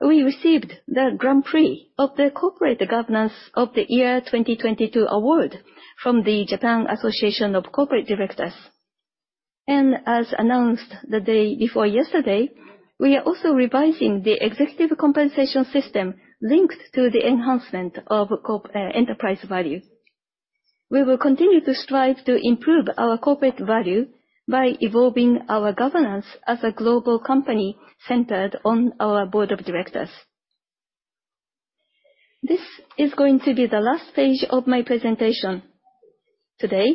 Speaker 2: we received the Grand Prix of the Corporate Governance of the Year 2022 award from the Japan Association of Corporate Directors. As announced the day before yesterday, we are also revising the executive compensation system linked to the enhancement of enterprise value. We will continue to strive to improve our corporate value by evolving our governance as a global company centered on our Board of Directors. This is going to be the last page of my presentation. Today,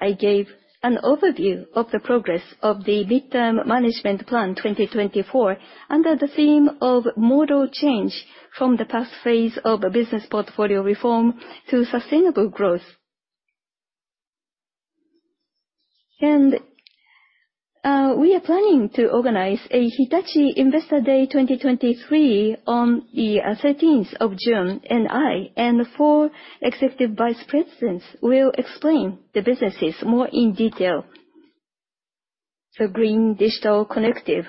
Speaker 2: I gave an overview of the progress of the Mid-term Management Plan 2024 under the theme of modal change from the past phase of business portfolio reform to sustainable growth. We are planning to organize a Hitachi Investor Day 2023 on the 13th of June. I and four Executive Vice Presidents will explain the businesses more in detail. Green, Digital, Connective.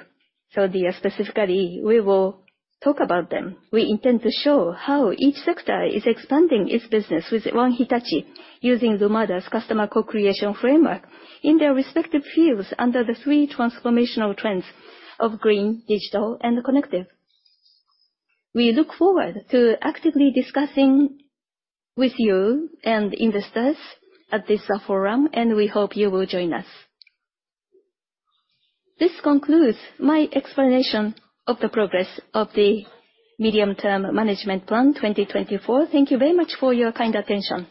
Speaker 2: Specifically, we will talk about them. We intend to show how each sector is expanding its business with One Hitachi, using Lumada's customer co-creation framework in their respective fields, under the three transformational trends of Green, Digital, and Connective. We look forward to actively discussing with you and investors at this forum. We hope you will join us. This concludes my explanation of the progress of the Mid-term Management Plan 2024. Thank you very much for your kind attention.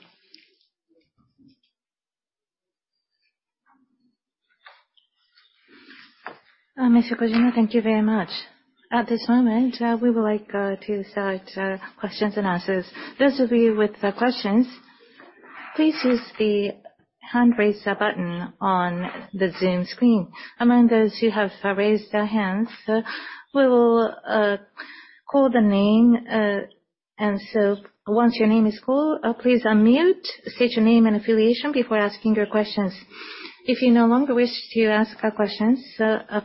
Speaker 1: Mr. Kojima, thank you very much. At this moment, we would like to start questions and answers. Those of you with questions, please use the hand raise button on the Zoom screen. Among those who have raised their hands, we will call the name. Once your name is called, please unmute, state your name and affiliation before asking your questions. If you no longer wish to ask questions,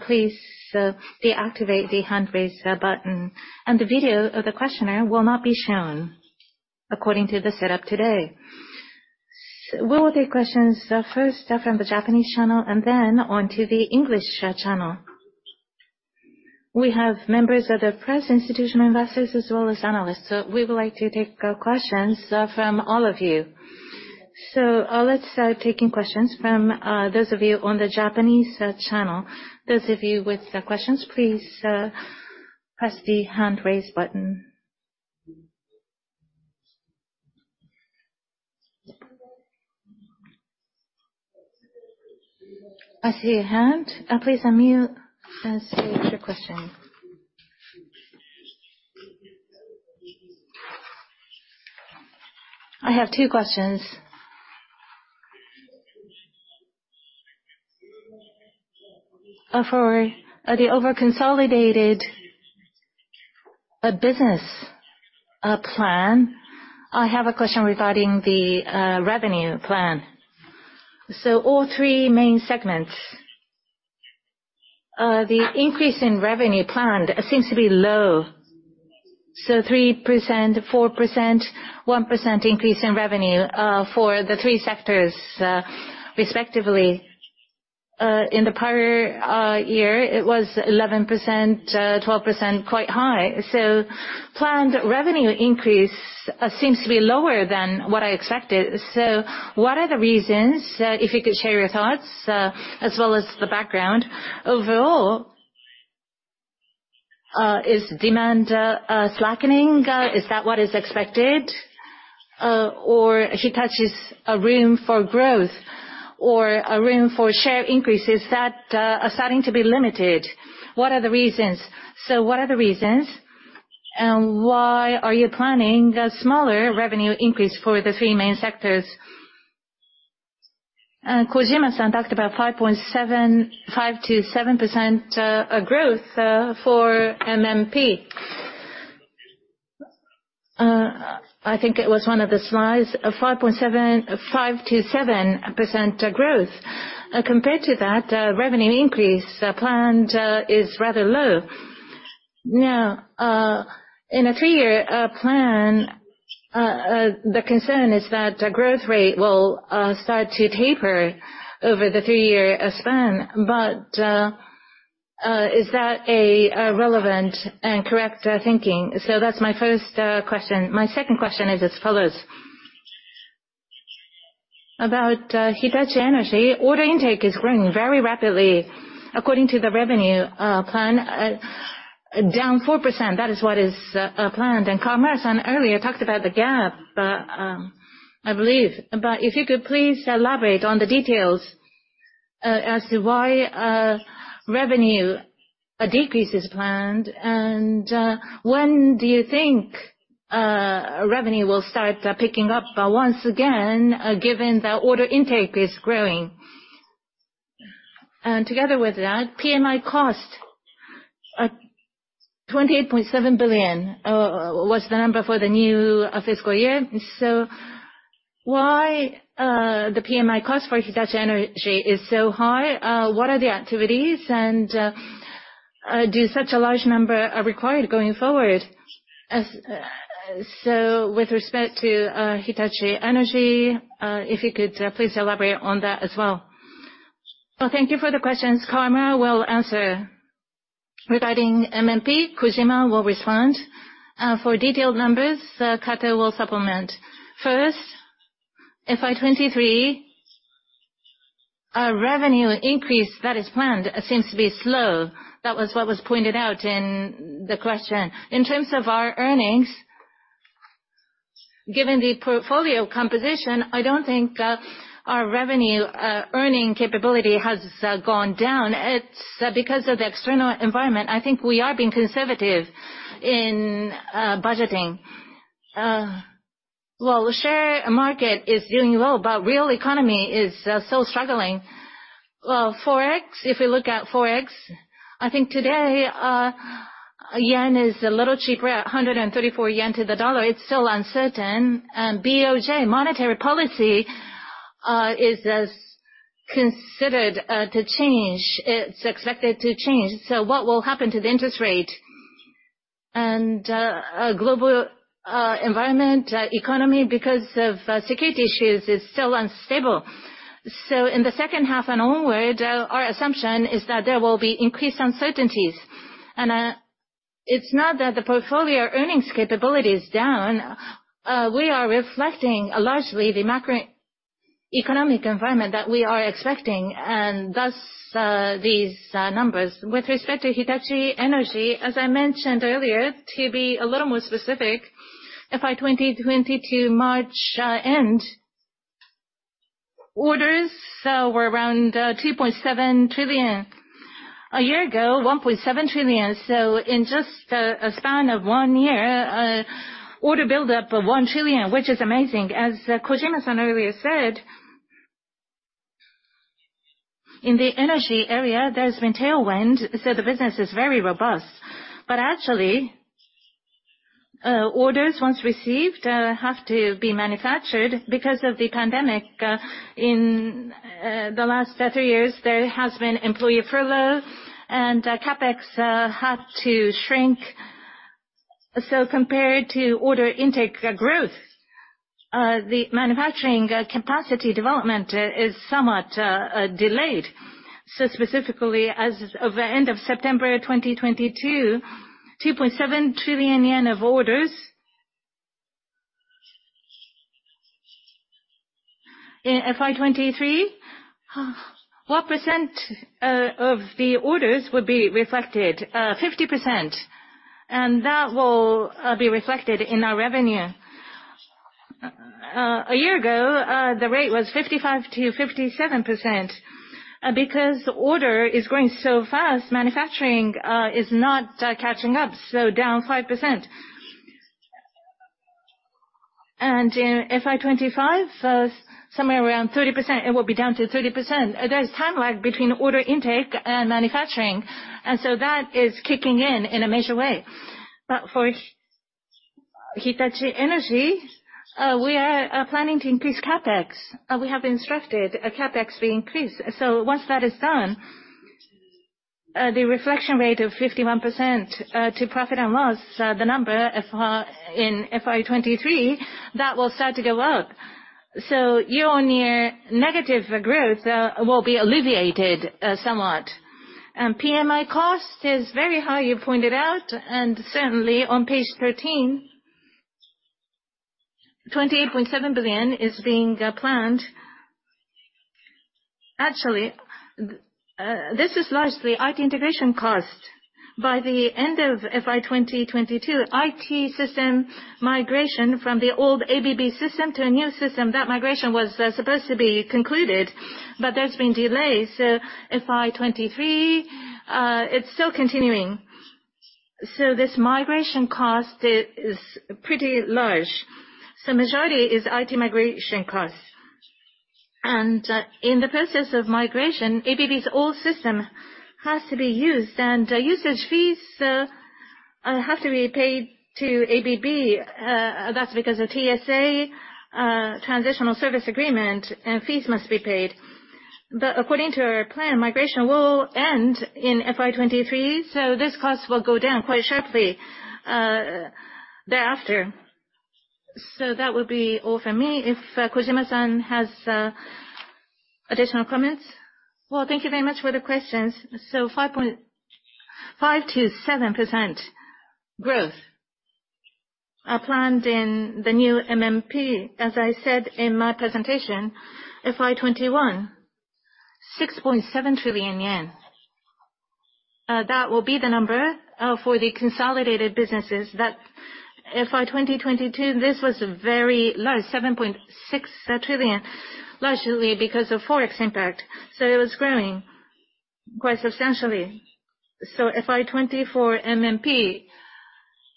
Speaker 1: please deactivate the hand raise button. The video of the questioner will not be shown according to the setup today. We will take questions first from the Japanese channel and then onto the English channel. We have members of the press, institutional investors, as well as analysts. We would like to take questions from all of you. Let's start taking questions from those of you on the Japanese channel.
Speaker 4: Those of you with questions, please press the hand raise button. I see a hand. Please unmute and state your question. I have two questions. For the over-consolidated business plan, I have a question regarding the revenue plan. All three main segments, the increase in revenue planned seems to be low. 3%, 4%, 1% increase in revenue for the three sectors, respectively. In the prior year, it was 11%, 12%, quite high. Planned revenue increase seems to be lower than what I expected. What are the reasons, if you could share your thoughts, as well as the background? Overall, is demand slackening? Is that what is expected? Or Hitachi's room for growth or room for share increases that are starting to be limited. What are the reasons? What are the reasons, and why are you planning a smaller revenue increase for the three main sectors? Kojima-san talked about 5%-7% growth for MMP. I think it was one of the slides, a 5%-7% growth. Compared to that, revenue increase planned is rather low. In a three-year plan, the concern is that growth rate will start to taper over the three-year span. Is that a relevant and correct thinking? That's my first question. My second question is as follows. About Hitachi Energy, order intake is growing very rapidly. According to the revenue plan, down 4%. That is what is planned. Kawamura-san earlier talked about the gap, I believe. If you could please elaborate on the details as to why a revenue decrease is planned, and when do you think revenue will start picking up once again, given that order intake is growing? Together with that, PMI cost, 28.7 billion was the number for the new fiscal year.
Speaker 2: Why the PMI cost for Hitachi Energy is so high? What are the activities, and do such a large number are required going forward? With respect to Hitachi Energy, if you could please elaborate on that as well.
Speaker 3: Thank you for the questions. Kawamura will answer. Regarding MMP, Kojima will respond. For detailed numbers, Kato will supplement. First, FY 2023, our revenue increase that is planned seems to be slow. That was what was pointed out in the question. In terms of our earnings, given the portfolio composition, I don't think our revenue earning capability has gone down. It's because of the external environment. I think we are being conservative in budgeting. Well, the share market is doing well, real economy is still struggling. Well, Forex, if we look at Forex, I think today.
Speaker 2: Yen is a little cheaper, 134 yen to the dollar. It is still uncertain. BOJ monetary policy is as considered to change, it is expected to change. What will happen to the interest rate and global environment economy because of security issues is still unstable. In the second half and onward, our assumption is that there will be increased uncertainties. It is not that the portfolio earnings capability is down. We are reflecting largely the macroeconomic environment that we are expecting and thus, these numbers. With respect to Hitachi Energy, as I mentioned earlier, to be a little more specific, FY 2022 March-end, orders were around 2.7 trillion. A year ago, 1.7 trillion. In just a span of one year, order build-up of 1 trillion, which is amazing. As Kojima-san earlier said, in the energy area, there has been tailwind, so the business is very robust. Actually, orders once received, have to be manufactured. Because of the pandemic, in the last three years, there has been employee furlough and CapEx had to shrink. Compared to order intake growth, the manufacturing capacity development is somewhat delayed. Specifically, as of the end of September 2022, JPY 2.7 trillion of orders. In FY 2023, what percent of the orders would be reflected? 50%. That will be reflected in our revenue. A year ago, the rate was 55%-57%. Because order is growing so fast, manufacturing is not catching up, so down 5%. In FY 2025, somewhere around 30%, it will be down to 30%. There is time lag between order intake and manufacturing, that is kicking in a major way. For Hitachi Energy, we are planning to increase CapEx. We have instructed CapEx be increased. Once that is done, the reflection rate of 51% to profit and loss, the number in FY 2023, that will start to go up. Year-on-year negative growth will be alleviated somewhat. PMI cost is very high, you pointed out, and certainly on page 13, JPY 28.7 billion is being planned. Actually, this is largely IT integration cost. By the end of FY 2022, IT system migration from the old ABB system to a new system, that migration was supposed to be concluded, but there has been delays. FY 2023, it is still continuing. This migration cost is pretty large. Majority is IT migration costs. In the process of migration, ABB's old system has to be used, and usage fees have to be paid to ABB. That is because of TSA, transitional service agreement, and fees must be paid. According to our plan, migration will end in FY 2023, this cost will go down quite sharply thereafter. That would be all for me. If Kojima-san has additional comments. Well, thank you very much for the questions. 5%-7% growth are planned in the new MMP. As I said in my presentation, FY 2021, 6.7 trillion yen. That will be the number for the consolidated businesses that FY 2022, this was very low, 7.6 trillion, largely because of Forex impact. It was growing quite substantially. FY 2024 MMP,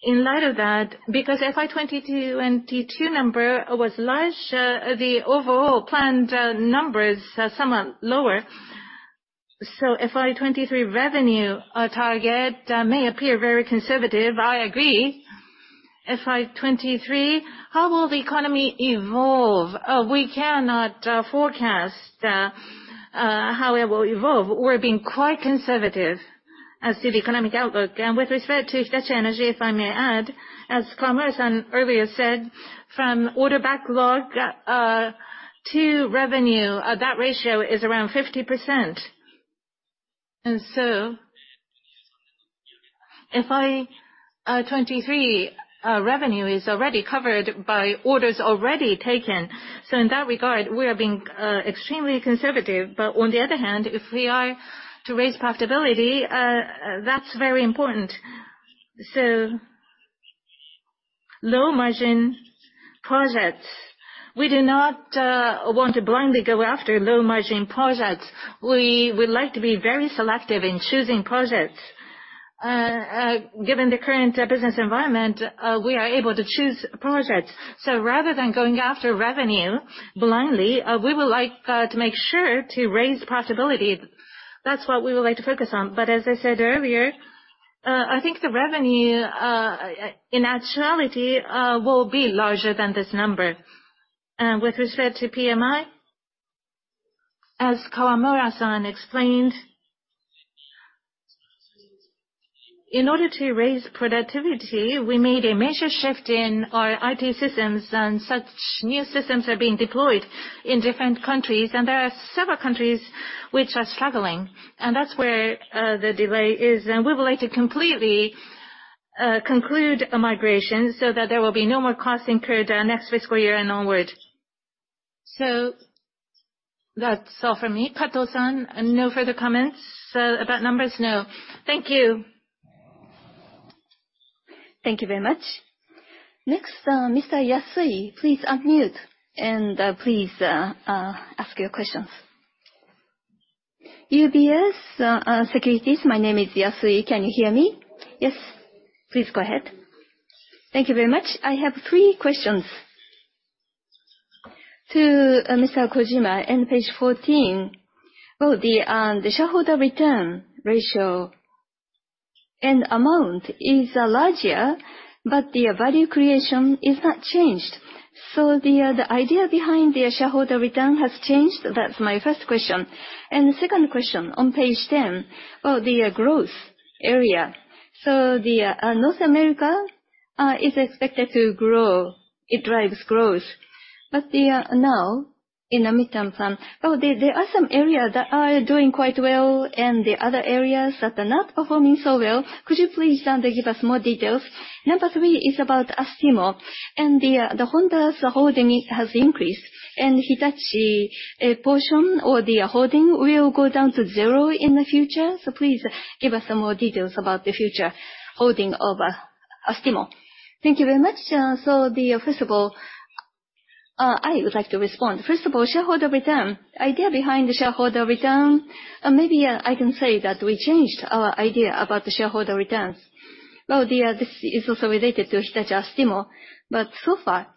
Speaker 2: in light of that, because FY 2022 number was large, the overall planned number is somewhat lower. FY 2023 revenue target may appear very conservative, I agree. FY 2023, how will the economy evolve? We cannot forecast how it will evolve. We are being quite conservative as to the economic outlook. With respect to Hitachi Energy, if I may add, as Komura-san earlier said, from order backlog to revenue, that ratio is around 50%. FY 2023 revenue is already covered by orders already taken. In that regard, we are being extremely conservative. On the other hand, if we are to raise profitability, that is very important. Low-margin projects, we do not want to blindly go after low-margin projects. We would like to be very selective in choosing projects. Given the current business environment, we are able to choose projects. Rather than going after revenue blindly, we would like to make sure to raise profitability. That is what we would like to focus on. As I said earlier
Speaker 1: I think the revenue, in actuality, will be larger than this number. With respect to PMI, as Kawamura-san explained, in order to raise productivity, we made a major shift in our IT systems and such new systems are being deployed in different countries. There are several countries which are struggling, and that is where the delay is. We would like to completely conclude a migration so that there will be no more costs incurred next fiscal year and onwards. That is all from me. Kato-san, no further comments about numbers? No. Thank you. Thank you very much. Next, Mr. Yasui, please unmute and please ask your questions. UBS Securities, my name is Yasui. Can you hear me? Yes. Please go ahead. Thank you very much. I have three questions.
Speaker 5: To Mr. Kojima, on page 14, the shareholder return ratio and amount is larger, but the value creation is not changed. The idea behind the shareholder return has changed? That is my first question. The second question, on page 10, the growth area. North America is expected to grow. It drives growth. But now, in the Mid-term Management Plan, there are some areas that are doing quite well, and the other areas that are not performing so well. Could you please give us more details? Number three is about Astemo. Honda's holding has increased, and Hitachi portion or the holding will go down to zero in the future? Please give us some more details about the future holding of Astemo. Thank you very much. First of all, I would like to respond. First of all, shareholder return.
Speaker 2: Idea behind the shareholder return, maybe I can say that we changed our idea about the shareholder returns. This is also related to Hitachi Astemo, but so far,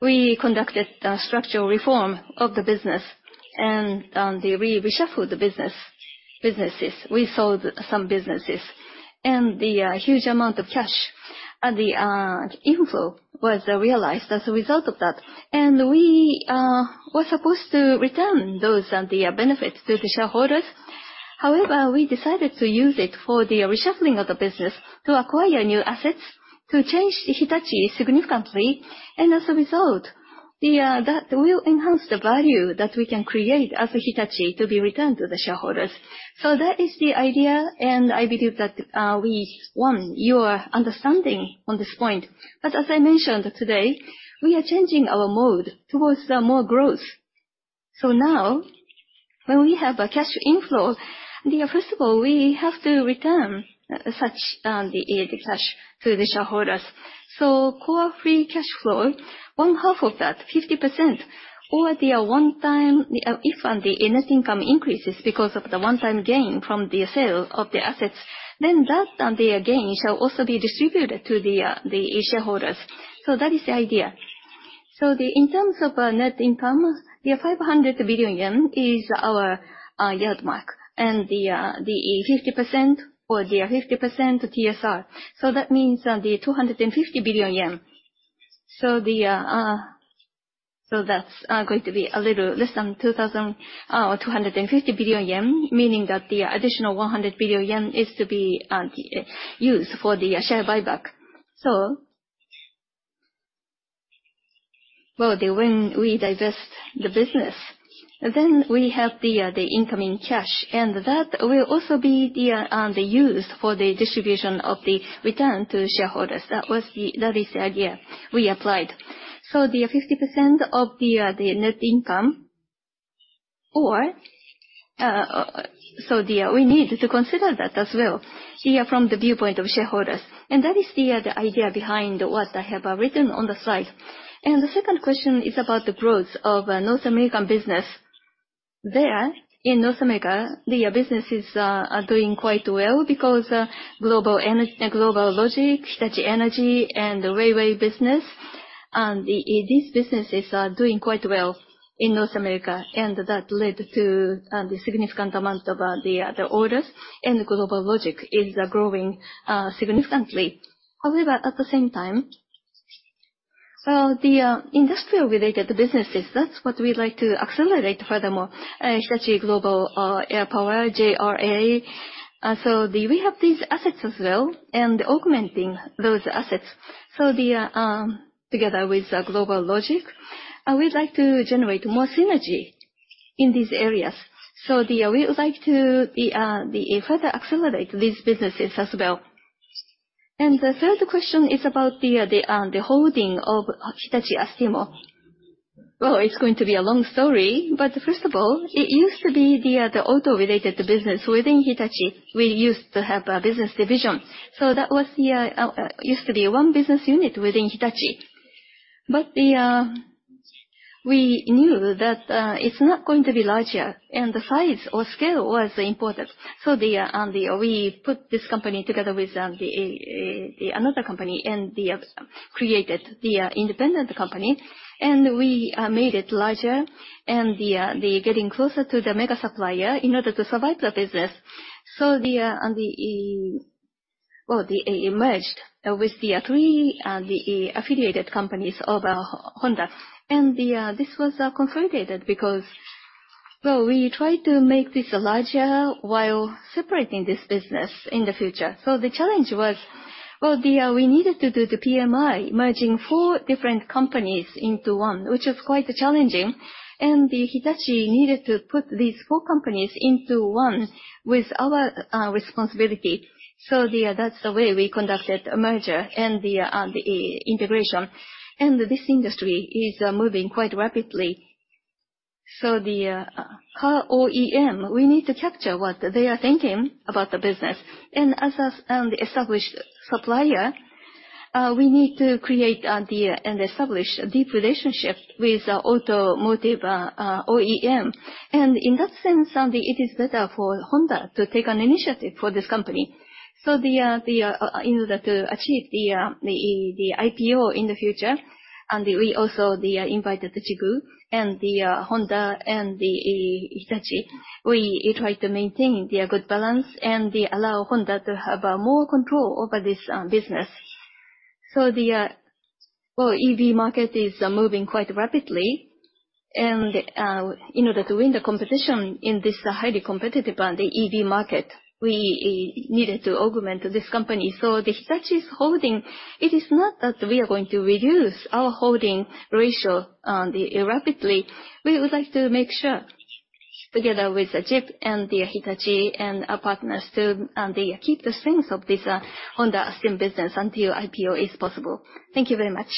Speaker 2: we conducted a structural reform of the business and we reshuffled the businesses. We sold some businesses. The huge amount of cash and the inflow was realized as a result of that. We were supposed to return those benefits to the shareholders. However, we decided to use it for the reshuffling of the business to acquire new assets, to change Hitachi significantly. As a result, that will enhance the value that we can create as Hitachi to be returned to the shareholders. That is the idea, and I believe that we won your understanding on this point. As I mentioned today, we are changing our mode towards more growth. Now, when we have a cash inflow, first of all, we have to return such cash to the shareholders. Core free cash flow, one half of that, 50%, or if the net income increases because of the one-time gain from the sale of the assets, then that gain shall also be distributed to the shareholders. That is the idea. In terms of net income, 500 billion yen is our yardmark, and the 50% TSR. That means 250 billion yen. That's going to be a little less than 2,250 billion yen, meaning that the additional 100 billion yen is to be used for the share buyback. When we divest the business, then we have the incoming cash, and that will also be used for the distribution of the return to the shareholders. That is the idea we applied. The 50% of the net income, we need to consider that as well from the viewpoint of shareholders. That is the idea behind what I have written on the side. The second question is about the growth of North American business. There, in North America, the businesses are doing quite well because GlobalLogic, Hitachi Energy, and the Railway business, these businesses are doing quite well in North America, and that led to the significant amount of the orders. GlobalLogic is growing significantly. However, at the same time, the industrial-related businesses, that's what we'd like to accelerate furthermore. Hitachi Global Air Power, JRA. We have these assets as well and augmenting those assets. Together with GlobalLogic, we'd like to generate more synergy in these areas. We would like to further accelerate these businesses as well. The third question is about the holding of Hitachi Astemo. Well, it's going to be a long story, first of all, it used to be the auto-related business within Hitachi. We used to have a business division. That used to be one business unit within Hitachi. We knew that it's not going to be larger, and the size or scale was important. We put this company together with another company, and they have created the independent company, and we made it larger and getting closer to the mega supplier in order to survive the business. They merged with the three affiliated companies of Honda. This was consolidated because we tried to make this larger while separating this business in the future. The challenge was we needed to do the PMI, merging four different companies into one, which was quite challenging. Hitachi needed to put these four companies into one with our responsibility. That's the way we conducted a merger and the integration. This industry is moving quite rapidly. The car OEM, we need to capture what they are thinking about the business. As an established supplier, we need to create and establish a deep relationship with automotive OEM. In that sense, it is better for Honda to take an initiative for this company. In order to achieve the IPO in the future, we also invited the Chubu and the Honda and the Hitachi. We tried to maintain the good balance and allow Honda to have more control over this business. The EV market is moving quite rapidly, and in order to win the competition in this highly competitive EV market, we needed to augment this company. Hitachi's holding, it is not that we are going to reduce our holding ratio rapidly. We would like to make sure together with JIP and Hitachi and our partners to keep the strengths of this Hitachi Astemo business until IPO is possible. Thank you very much.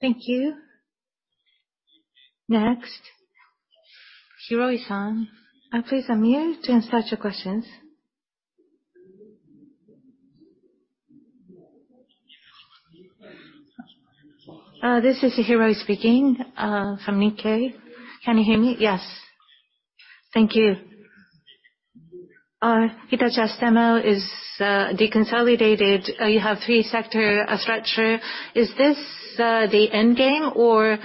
Speaker 1: Thank you. Next, Hiroe-san, please unmute and start your questions. This is Hiroe speaking, from Nikkei. Can you hear me? Yes. Thank you. Hitachi Astemo is deconsolidated. You have three sector structure. Is this the end game, or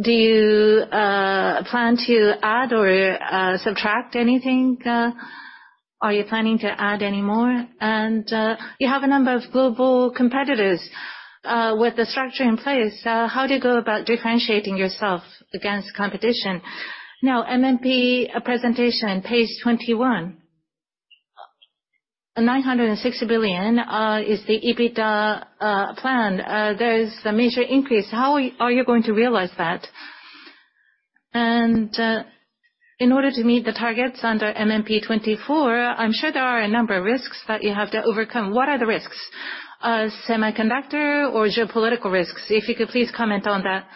Speaker 1: do you plan to add or subtract anything? Are you planning to add any more? You have a number of global competitors. With the structure in place, how do you go about differentiating yourself against competition? MMP presentation, page 21. 960 billion is the EBITDA plan. There is a major increase. How are you going to realize that? In order to meet the targets under MMP 2024, I'm sure there are a number of risks that you have to overcome. What are the risks? Semiconductor or geopolitical risks? If you could please comment on that.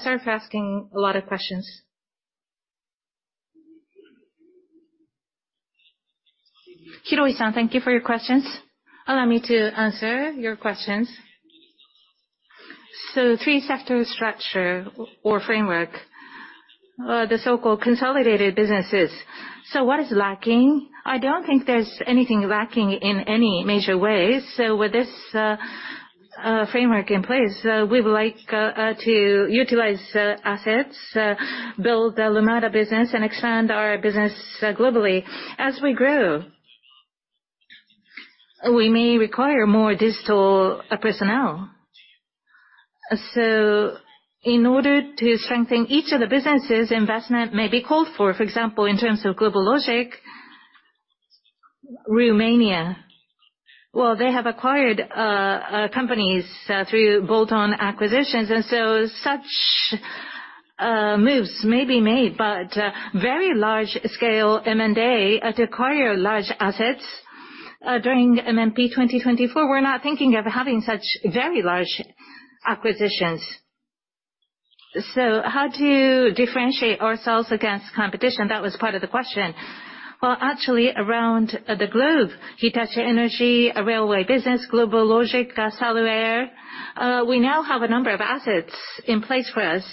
Speaker 1: Sorry for asking a lot of questions.
Speaker 2: Hiroe-san, thank you for your questions. Allow me to answer your questions. Three sector structure or framework, the so-called consolidated businesses. What is lacking? I don't think there's anything lacking in any major ways. With this framework in place, we would like to utilize assets, build the Lumada business, and expand our business globally. As we grow, we may require more digital personnel. In order to strengthen each of the businesses, investment may be called for. For example, in terms of GlobalLogic, Romania. Well, they have acquired companies through bolt-on acquisitions, such moves may be made. But very large scale M&A to acquire large assets during MMP 2024, we're not thinking of having such very large acquisitions. How to differentiate ourselves against competition, that was part of the question. Well, actually, around the globe, Hitachi Energy, Railway, GlobalLogic, Sullair, we now have a number of assets in place for us.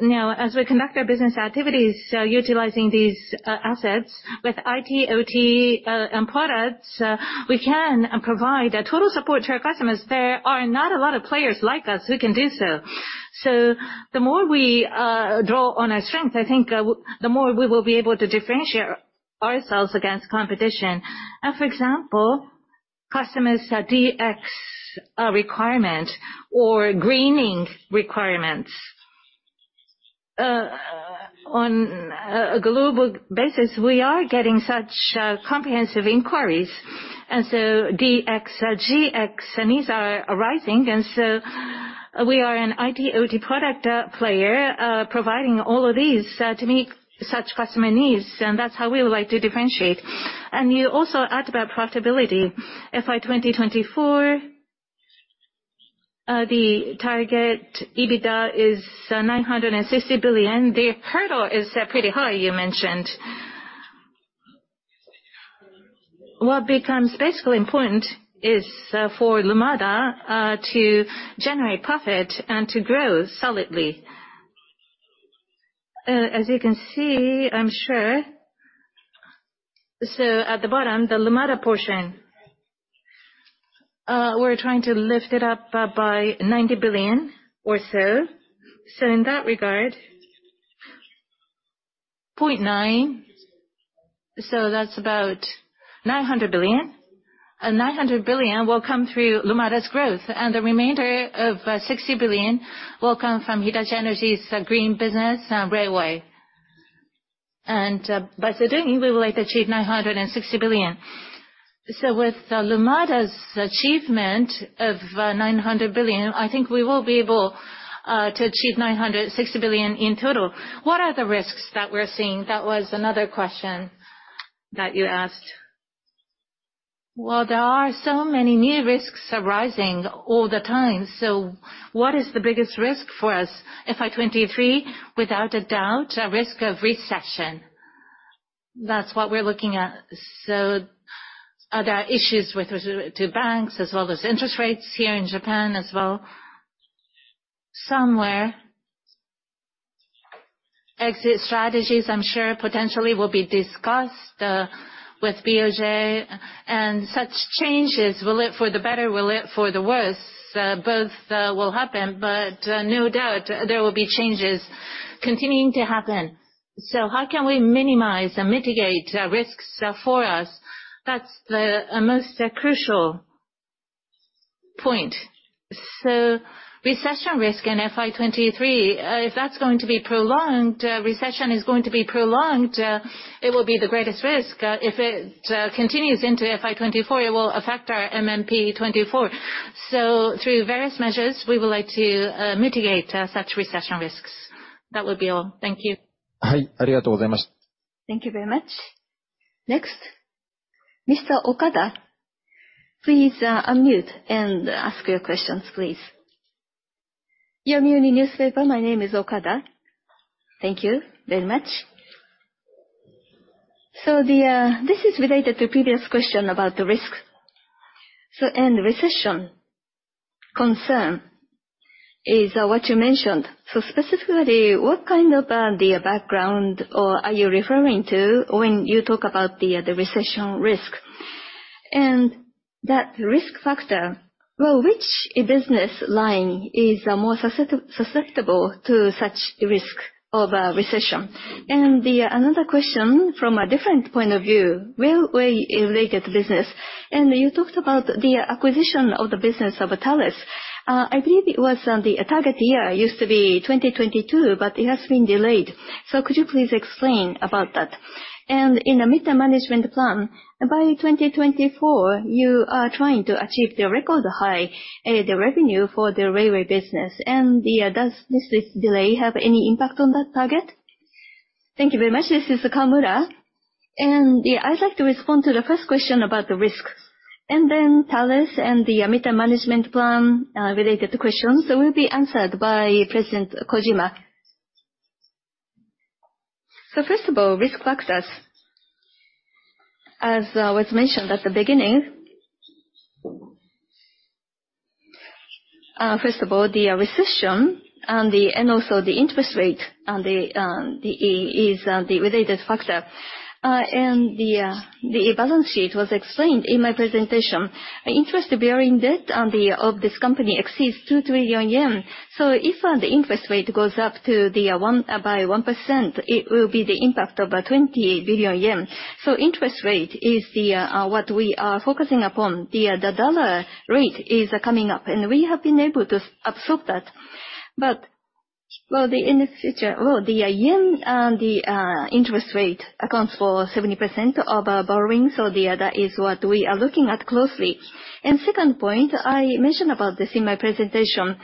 Speaker 2: As we conduct our business activities utilizing these assets with IT, OT, and products, we can provide total support to our customers. There are not a lot of players like us who can do so. The more we draw on our strength, I think the more we will be able to differentiate ourselves against competition. For example, customers' DX requirement or greening requirements. On a global basis, we are getting such comprehensive inquiries, DX, GX needs are arising. We are an IT, OT product player providing all of these to meet such customer needs, and that's how we would like to differentiate. You also asked about profitability. FY 2024, the target EBITDA is 960 billion. The hurdle is pretty high, you mentioned. What becomes basically important is for Lumada to generate profit and to grow solidly. As you can see, I'm sure, at the bottom, the Lumada portion, we're trying to lift it up by 90 billion or so. In that regard JPY 0.9, that's about 900 billion. 900 billion will come through Lumada's growth, the remainder of 60 billion will come from Hitachi Energy's green business Railway. By so doing, we will achieve 960 billion. With Lumada's achievement of 900 billion, I think we will be able to achieve 960 billion in total. What are the risks that we're seeing? That was another question that you asked. Well, there are so many new risks arising all the time. What is the biggest risk for us, FY 2023? Without a doubt, risk of recession. That's what we're looking at. There are issues with banks, as well as interest rates here in Japan as well. Somewhere, exit strategies, I'm sure, potentially will be discussed with BOJ, such changes, will it for the better, will it for the worse? Both will happen, but no doubt there will be changes continuing to happen. How can we minimize and mitigate risks for us? That's the most crucial point. Recession risk in FY 2023, if that's going to be prolonged, it will be the greatest risk. If it continues into FY 2024, it will affect our Mid-term Management Plan 2024. Through various measures, we would like to mitigate such recession risks. That would be all. Thank you. Thank you very much. Next, Mr. Okada, please unmute and ask your questions, please. Yomiuri Shimbun, my name is Okada. Thank you very much.
Speaker 6: This is related to previous question about the risk. Recession concern is what you mentioned. Specifically, what kind of background are you referring to when you talk about the recession risk? That risk factor, which business line is more susceptible to such risk of a recession? Another question from a different point of view, Railway-related business. You talked about the acquisition of the business of Thales. I believe it was on the target year used to be 2022, but it has been delayed. Could you please explain about that? In the Mid-term Management Plan 2024, by 2024, you are trying to achieve the record high revenue for the Railway business. Does this delay have any impact on that target? Thank you very much. This is Kamura. I'd like to respond to the first question about the risks.
Speaker 3: Thales and the Mid-term Management Plan 2024 related questions will be answered by President Kojima. First of all, risk factors, as was mentioned at the beginning. First of all, the recession and also the interest rate is the related factor. The balance sheet was explained in my presentation. Interest-bearing debt of this company exceeds 2 trillion yen. If the interest rate goes up by 1%, it will be the impact of 20 billion yen. Interest rate is what we are focusing upon. The USD rate is coming up, we have been able to absorb that. In the future, the JPY interest rate accounts for 70% of our borrowing, that is what we are looking at closely. Second point, I mentioned about this in my presentation,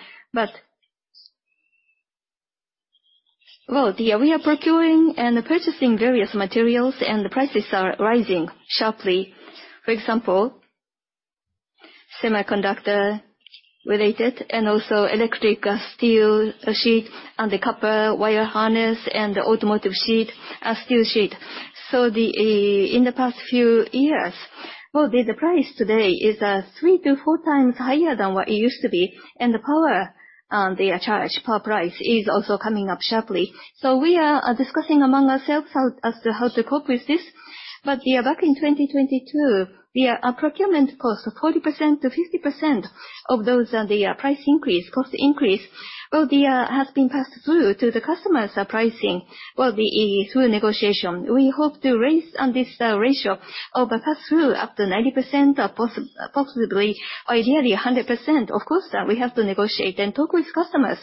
Speaker 3: we are procuring and purchasing various materials, the prices are rising sharply. For example, semiconductor-related and also electrical steel sheets and the copper wire harness and the automotive steel sheet. In the past few years, the price today is three to four times higher than what it used to be, and the power price is also coming up sharply. We are discussing among ourselves as to how to cope with this. Back in 2022, our procurement cost, 40%-50% of those, the price increase, cost increase, has been passed through to the customers pricing through negotiation. We hope to raise this ratio of pass-through up to 90%, possibly ideally 100%. Of course, we have to negotiate and talk with customers.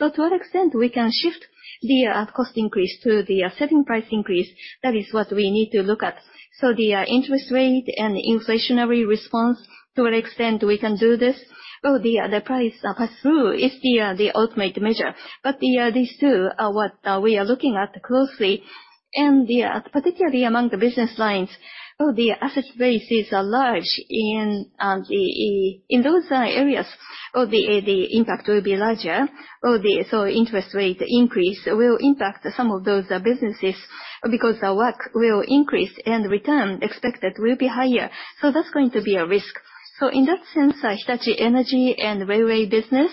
Speaker 3: To what extent we can shift the cost increase to the selling price increase, that is what we need to look at. The interest rate and inflationary response, to what extent we can do this? The price pass-through is the ultimate measure. These two are what we are looking at closely, and particularly among the business lines, the asset bases are large in those areas, the impact will be larger. Interest rate increase will impact some of those businesses because our WACC will increase and return expected will be higher. That's going to be a risk. In that sense, Hitachi Energy and Railway business,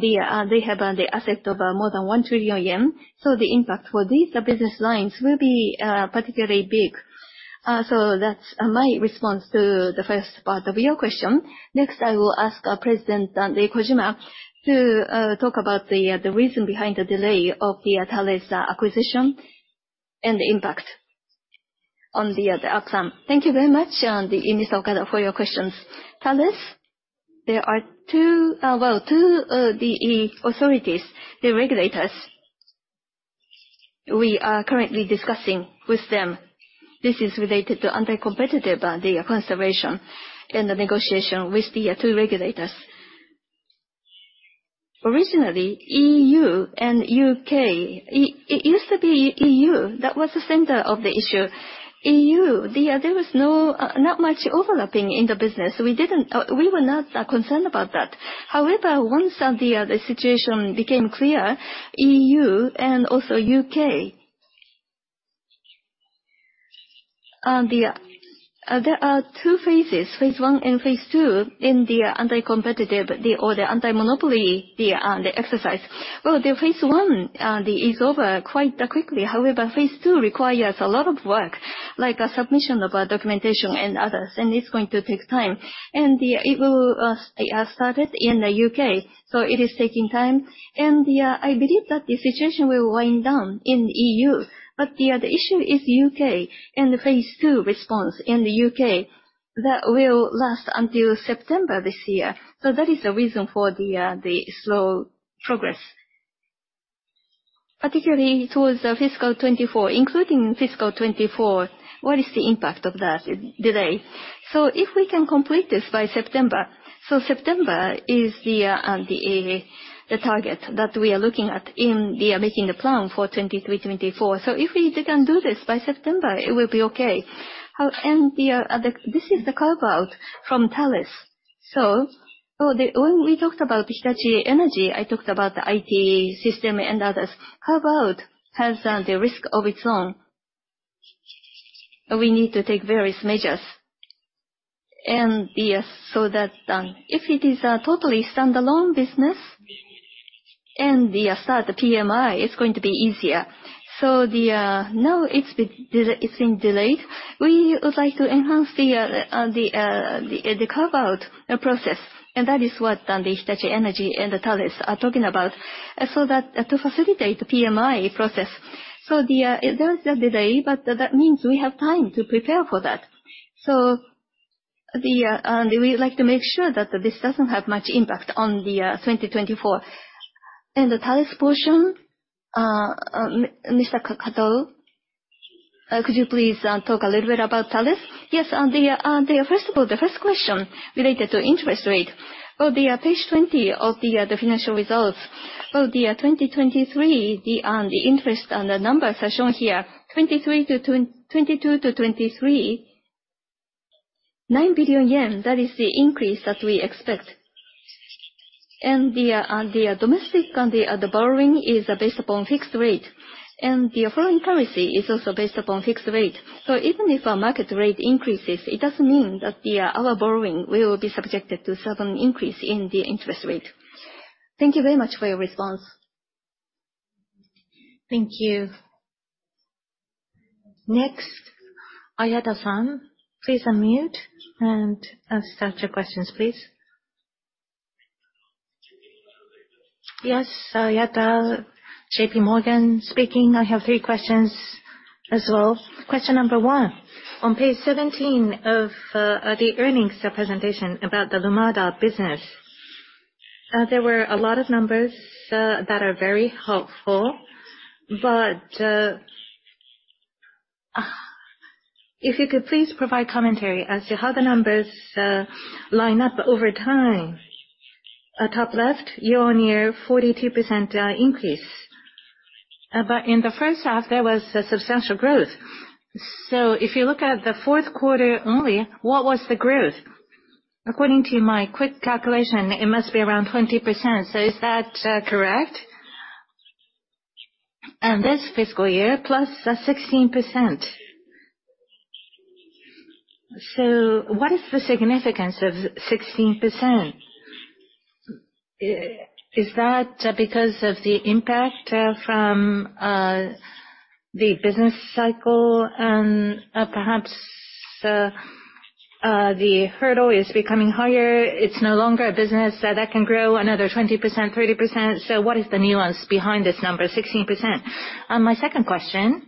Speaker 3: they have the asset of more than 1 trillion yen, so the impact for these business lines will be particularly big. That's my response to the first part of your question. Next, I will ask our President, Keiji Kojima, to talk about the reason behind the delay of the Thales acquisition, and the impact on the outcome.
Speaker 2: Thank you very much, Ms. Okada, for your questions. Thales, there are two EU authorities, the regulators, we are currently discussing with them. This is related to anti-competitive concerns and the negotiation with the two regulators. Originally, EU and U.K., it used to be EU that was the center of the issue. EU, there was not much overlapping in the business, we were not concerned about that. Once the situation became clear, EU and also U.K. There are two phases, phase 1 and phase 2 in the anti-competitive or the anti-monopoly exercise. The phase 1 is over quite quickly. Phase 2 requires a lot of work, like submission of documentation and others, and it's going to take time. It will have started in the U.K., it is taking time. I believe that the situation will wind down in the EU, but the issue is U.K. and the phase 2 response in the U.K. that will last until September this year. That is the reason for the slow progress. Particularly towards FY 2024, including FY 2024, what is the impact of that delay? If we can complete this by September is the target that we are looking at in making the plan for 2023, 2024. If we didn't do this by September, it will be okay. This is the carve-out from Thales. When we talked about Hitachi Energy, I talked about the IT system, and others. Carve-out has the risk of its own. We need to take various measures. Yes, if it is a totally standalone business and start the PMI, it's going to be easier.
Speaker 1: Now it's been delayed. We would like to enhance the carve-out process, and that is what Hitachi Energy and Thales are talking about, to facilitate the PMI process. There is a delay, but that means we have time to prepare for that. We would like to make sure that this doesn't have much impact on 2024. The Thales portion, Mr. Kato, could you please talk a little bit about Thales? Yes. First of all, the first question related to interest rate. On page 20 of the financial results, for 2023, the interest and the numbers are shown here, 2022 to 2023, 9 billion yen, that is the increase that we expect. The domestic borrowing is based upon fixed rate, and the foreign currency is also based upon fixed rate. Even if our market rate increases, it doesn't mean that our borrowing will be subjected to certain increase in the interest rate. Thank you very much for your response. Thank you. Next, Oyata, please unmute and start your questions, please.
Speaker 7: Yes, Oyata, JP Morgan speaking. I have three questions as well. Question number one, on page 17 of the earnings presentation about the Lumada business, there were a lot of numbers that are very helpful, but if you could please provide commentary as to how the numbers line up over time. At top left, year-over-year, 42% increase. In the first half, there was a substantial growth. If you look at the fourth quarter only, what was the growth? According to my quick calculation, it must be around 20%. Is that correct? This fiscal year, plus 16%. What is the significance of 16%? Is that because of the impact from the business cycle and perhaps the hurdle is becoming higher? It's no longer a business that can grow another 20%, 30%. What is the nuance behind this number 16%? My second question,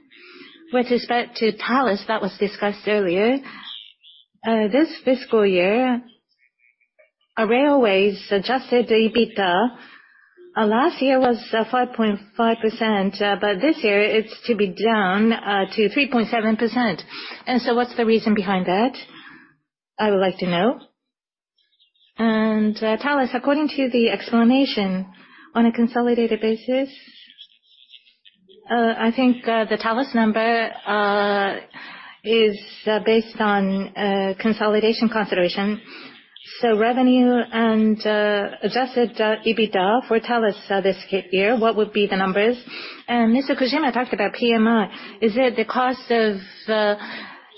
Speaker 7: with respect to Thales, that was discussed earlier. This fiscal year, Railway adjusted EBITDA. Last year was 5.5%, but this year it's to be down to 3.7%. What's the reason behind that? I would like to know. Thales, according to the explanation, on a consolidated basis, I think the Thales number is based on consolidation consideration. Revenue and adjusted EBITDA for Thales this year, what would be the numbers? Mr. Kojima talked about PMI. Is it the cost of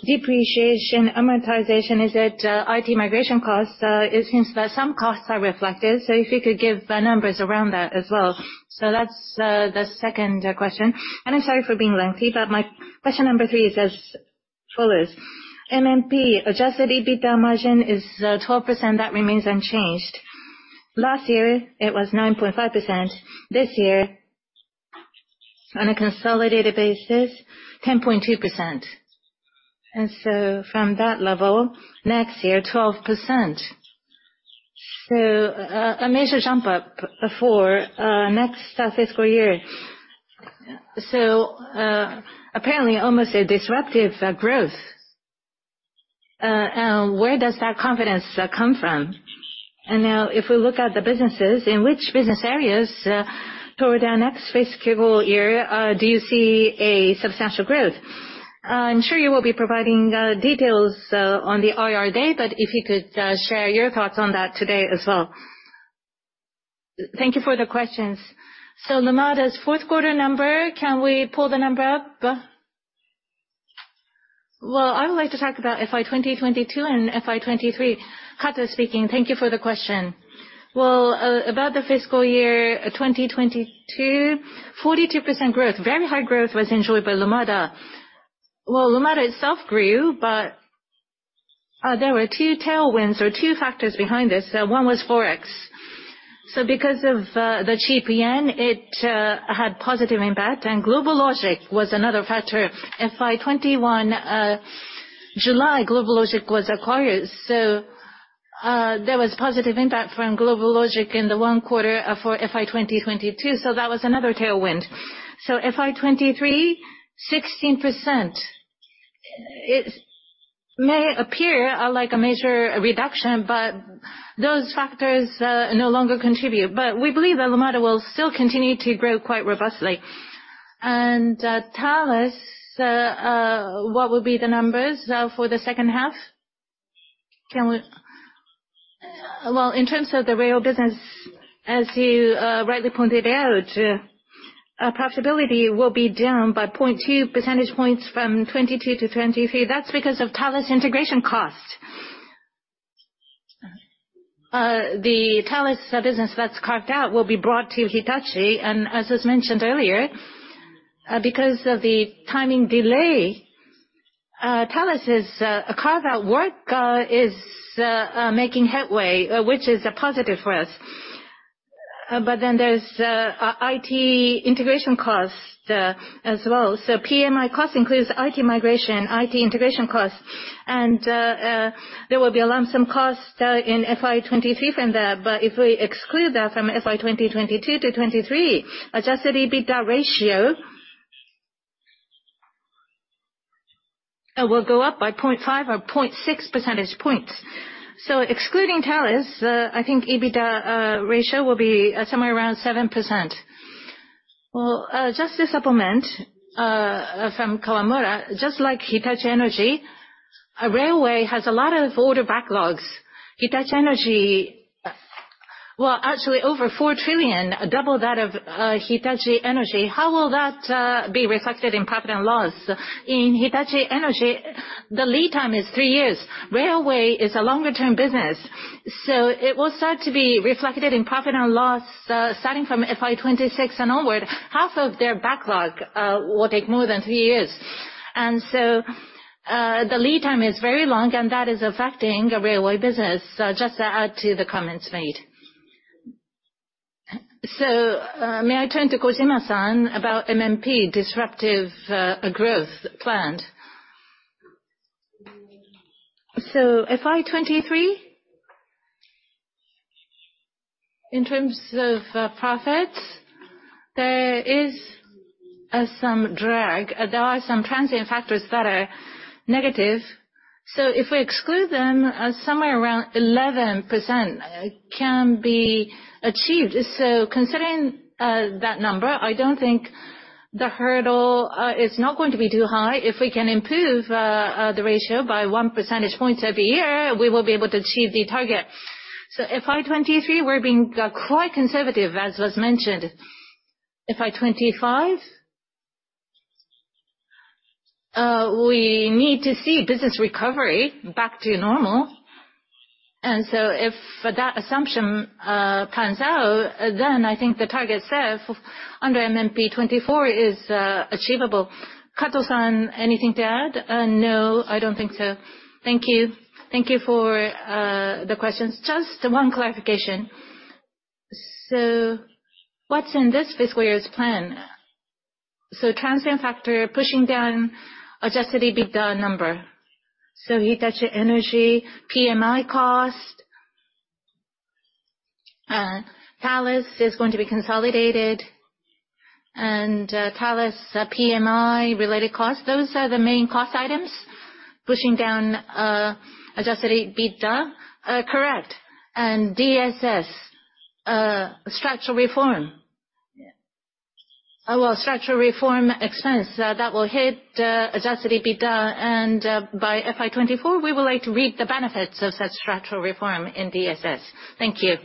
Speaker 7: depreciation, amortization? Is it IT migration cost? It seems that some costs are reflected, so if you could give numbers around that as well. That's the second question. I'm sorry for being lengthy, but my question number three is as follows. MMP adjusted EBITDA margin is 12%, that remains unchanged. Last year it was 9.5%, this year on a consolidated basis, 10.2%. From that level, next year 12%. A major jump up for next fiscal year. Apparently almost a disruptive growth. Where does that confidence come from? Now if we look at the businesses, in which business areas toward our next fiscal year, do you see a substantial growth? I'm sure you will be providing details on the IR day, but if you could share your thoughts on that today as well. Thank you for the questions. Lumada's fourth quarter number, can we pull the number up? I would like to talk about FY 2022 and FY 2023. Tomomi Kato speaking. Thank you for the question. About the fiscal year 2022, 42% growth, very high growth, was enjoyed by Lumada.
Speaker 1: Lumada itself grew, but there were two tailwinds or two factors behind this. One was Forex. Because of the cheap yen, it had positive impact. GlobalLogic was another factor. FY 2021 July, GlobalLogic was acquired, there was positive impact from GlobalLogic in the one quarter for FY 2022, that was another tailwind. FY 2023, 16%. It may appear like a major reduction, but those factors no longer contribute. We believe that Lumada will still continue to grow quite robustly. Thales, what will be the numbers for the second half? In terms of the rail business, as you rightly pointed out, profitability will be down by 0.2 percentage points from 2022 to 2023. That's because of Thales integration cost. The Thales business that's carved out will be brought to Hitachi. As was mentioned earlier, because of the timing delay, Thales' carve-out work is making headway, which is a positive for us. There's IT integration costs as well. PMI cost includes IT migration, IT integration costs, there will be a lump sum cost in FY 2023 from that. If we exclude that from FY 2022 to 2023, adjusted EBITDA ratio will go up by 0.5 or 0.6 percentage points. Excluding Thales, I think EBITDA ratio will be somewhere around 7%. Just to supplement from Kawamura, just like Hitachi Energy, Railway has a lot of order backlogs. Hitachi Energy, actually over 4 trillion, double that of Hitachi Energy. How will that be reflected in profit and loss? In Hitachi Energy, the lead time is 3 years.
Speaker 3: Railway is a longer-term business, it will start to be reflected in profit and loss starting from FY 2026 and onward. Half of their backlog will take more than 3 years, the lead time is very long, that is affecting the Railway business. Just to add to the comments made. May I turn to Kojima-san about MMP disruptive growth planned. FY 2023, in terms of profits, there is some drag. There are some transient factors that are negative. If we exclude them, somewhere around 11% can be achieved. Considering that number, I don't think the hurdle is not going to be too high. If we can improve the ratio by one percentage point every year, we will be able to achieve the target. FY 2023, we're being quite conservative, as was mentioned.
Speaker 2: FY 2025, we need to see business recovery back to normal. If that assumption pans out, I think the target set under Mid-term Management Plan 2024 is achievable. Kato-san, anything to add? No, I don't think so. Thank you. Thank you for the questions. Just one clarification. What's in this fiscal year's plan? Transient factor pushing down adjusted EBITDA number. Hitachi Energy, PMI cost, Thales is going to be consolidated, and Thales PMI related costs, those are the main cost items pushing down adjusted EBITDA? Correct. DSS structural reform. Structural reform expense that will hit adjusted EBITDA. By FY 2024, we would like to reap the benefits of such structural reform in DSS. Thank you.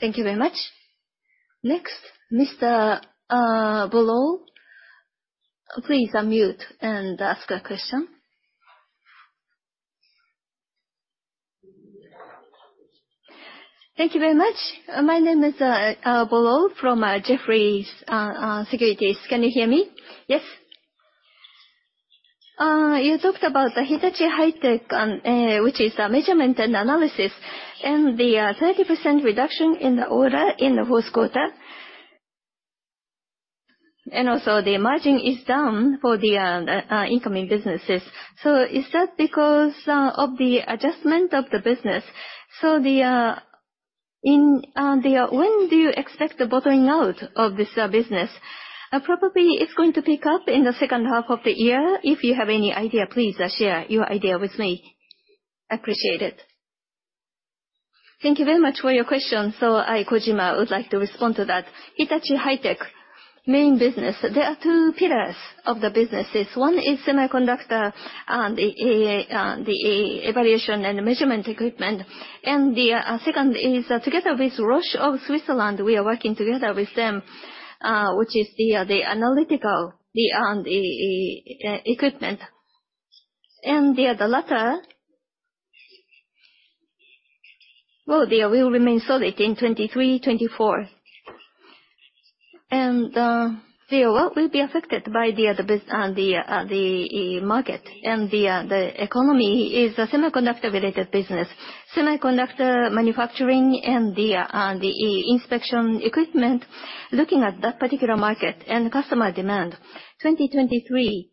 Speaker 2: Thank you very much. Next, Mr. Bulow, please unmute and ask a question.
Speaker 8: Thank you very much. My name is Bulow from Jefferies Securities. Can you hear me? Yes? You talked about the Hitachi High-Tech, which is measurement and analysis, and the 30% reduction in the order in the first quarter. The margin is down for the incoming businesses. Is that because of the adjustment of the business? When do you expect the bottoming out of this business? Probably it's going to pick up in the second half of the year. If you have any idea, please share your idea with me. Appreciate it. Thank you very much for your question. I, Kojima, would like to respond to that. Hitachi High-Tech main business, there are two pillars of the businesses. One is semiconductor and the evaluation and measurement equipment.
Speaker 2: The second is together with Roche of Switzerland, we are working together with them, which is the analytical equipment. The latter will remain solid in 2023, 2024. What will be affected by the market and the economy is the semiconductor-related business, semiconductor manufacturing, and the inspection equipment. Looking at that particular market and customer demand, 2023,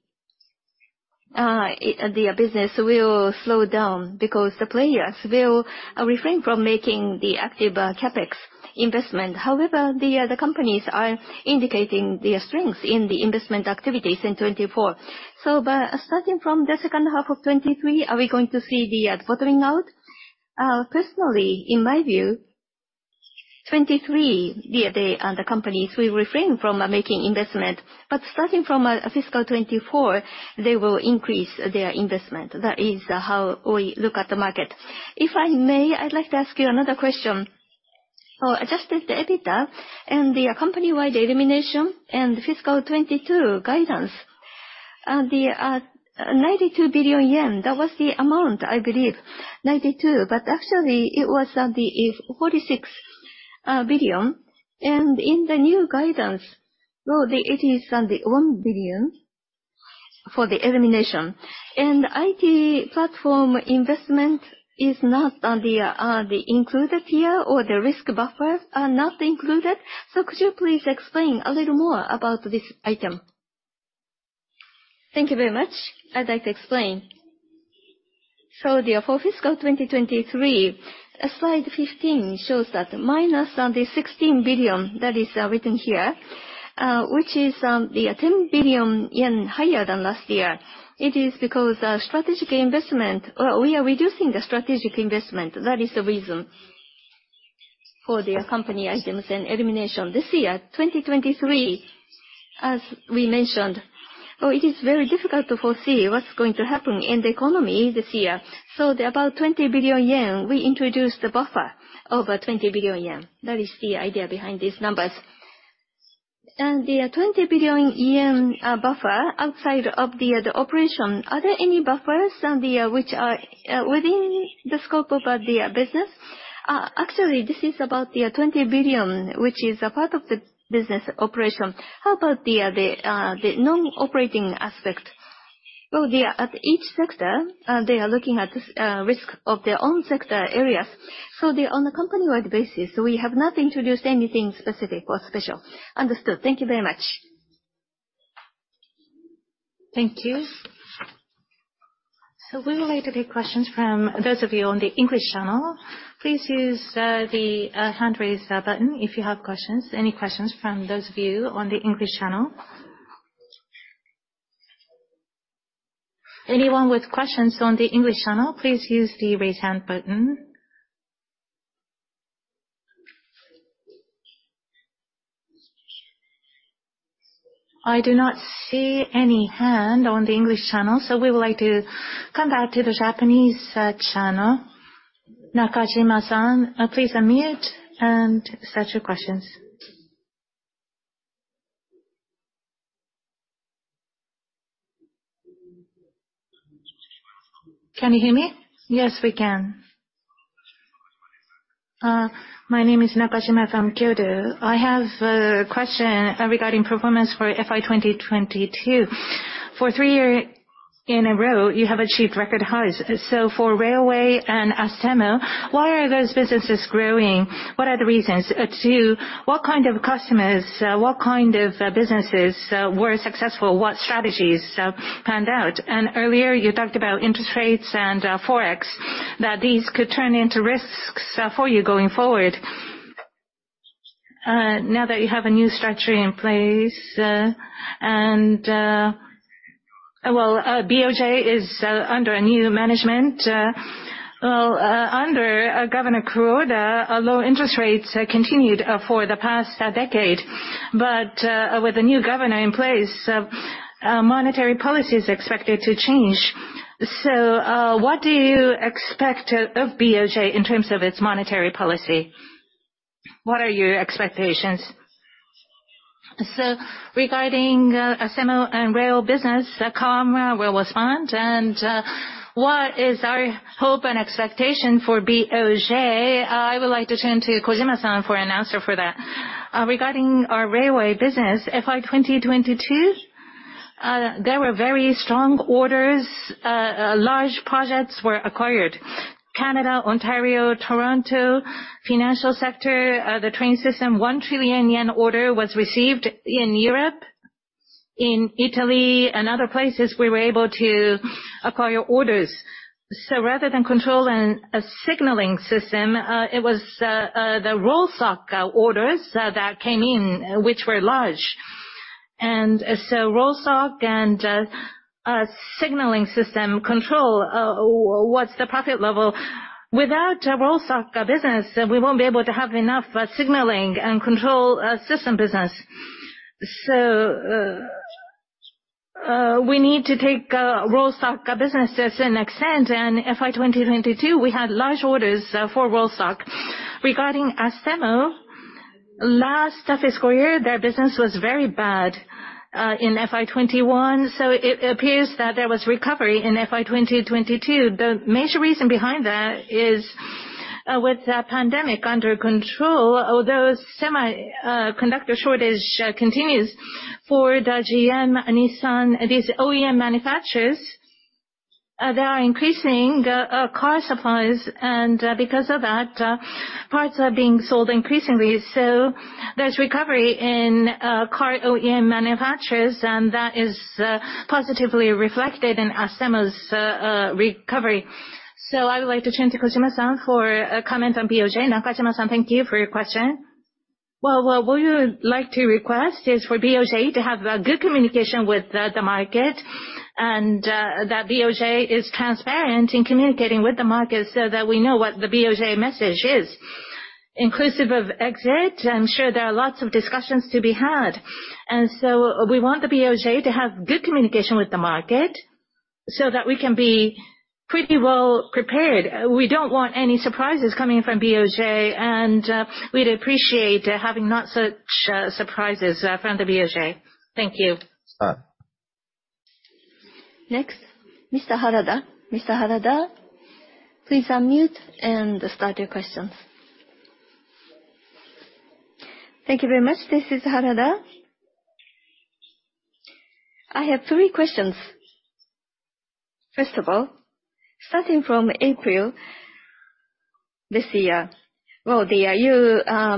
Speaker 2: the business will slow down because the players will refrain from making the active CapEx investment. However, the companies are indicating their strengths in the investment activities in 2024. By starting from the second half of 2023, are we going to see the bottoming out? Personally, in my view, 2023, the companies will refrain from making investment. Starting from fiscal 2024, they will increase their investment. That is how we look at the market. If I may, I'd like to ask you another question.
Speaker 8: Adjusted EBITDA and the company-wide elimination and fiscal 2022 guidance. The 92 billion yen, that was the amount, I believe, 92, but actually it was the 46 billion. In the new guidance, it is the 1 billion for the elimination. IT platform investment is not included here, or the risk buffers are not included. Could you please explain a little more about this item? Thank you very much. I'd like to explain. For fiscal 2023, slide 15 shows that minus 16 billion that is written here, which is the 10 billion yen higher than last year. It is because strategic investment, we are reducing the strategic investment. That is the reason for the company items and elimination. This year, 2023, as we mentioned, it is very difficult to foresee what's going to happen in the economy this year.
Speaker 3: About 20 billion yen, we introduced the buffer over 20 billion yen. That is the idea behind these numbers. The 20 billion yen buffer outside of the operation, are there any buffers which are within the scope of the business? Actually, this is about the 20 billion, which is a part of the business operation. How about the non-operating aspect? At each sector, they are looking at risk of their own sector areas. On a company-wide basis, we have not introduced anything specific or special. Understood. Thank you very much. Thank you.
Speaker 1: We would like to take questions from those of you on the English channel. Please use the hand raise button if you have questions. Any questions from those of you on the English channel? Anyone with questions on the English channel, please use the raise hand button. I do not see any hand on the English channel, so we would like to come back to the Japanese channel. Nakajima, please unmute and state your questions. Can you hear me? Yes, we can. My name is Nakajima from Kyodo. I have a question regarding performance for FY 2022. For three year in a row, you have achieved record highs. For Railway and Astemo, why are those businesses growing? What are the reasons? What kind of customers, what kind of businesses were successful? What strategies panned out?
Speaker 9: Earlier you talked about interest rates and Forex, that these could turn into risks for you going forward. Now that you have a new structure in place and BOJ is under a new management. Under Governor Kuroda, low interest rates continued for the past decade. With the new governor in place, monetary policy is expected to change. What do you expect of BOJ in terms of its monetary policy? What are your expectations? Regarding Astemo and Rail business, Kamura will respond. What is our hope and expectation for BOJ, I would like to turn to Kojima for an answer for that. Regarding our Railway business, FY 2022, there were very strong orders, large projects were acquired. Canada, Ontario, Toronto, financial sector, the train system, 1 trillion yen order was received in Europe, in Italy and other places we were able to acquire orders.
Speaker 3: Rather than control and a signaling system, it was the rolling stock orders that came in, which were large. Rolling stock and a signaling system control, what's the profit level? Without a rolling stock business, we won't be able to have enough signaling and control system business. We need to take rolling stock businesses and extend. In FY 2022, we had large orders for rolling stock. Regarding Astemo, last fiscal year, their business was very bad in FY 2021, it appears that there was recovery in FY 2022. The major reason behind that is with the pandemic under control, although semiconductor shortage continues, for the GM, Nissan, these OEM manufacturers, they are increasing car supplies and because of that, parts are being sold increasingly. There's recovery in car OEM manufacturers, and that is positively reflected in Astemo's recovery. I would like to turn to Kojima-san for a comment on BOJ. Nakajima-san, thank you for your question. What we would like to request is for BOJ to have good communication with the market, that BOJ is transparent in communicating with the market so that we know what the BOJ message is. Inclusive of exit, I'm sure there are lots of discussions to be had. We want the BOJ to have good communication with the market so that we can be pretty well prepared. We don't want any surprises coming from BOJ, and we'd appreciate having not such surprises from the BOJ. Thank you.
Speaker 1: Next, Mr. Harada. Mr. Harada, please unmute and start your questions. Thank you very much. This is Harada. I have three questions. First of all, starting from April this year, you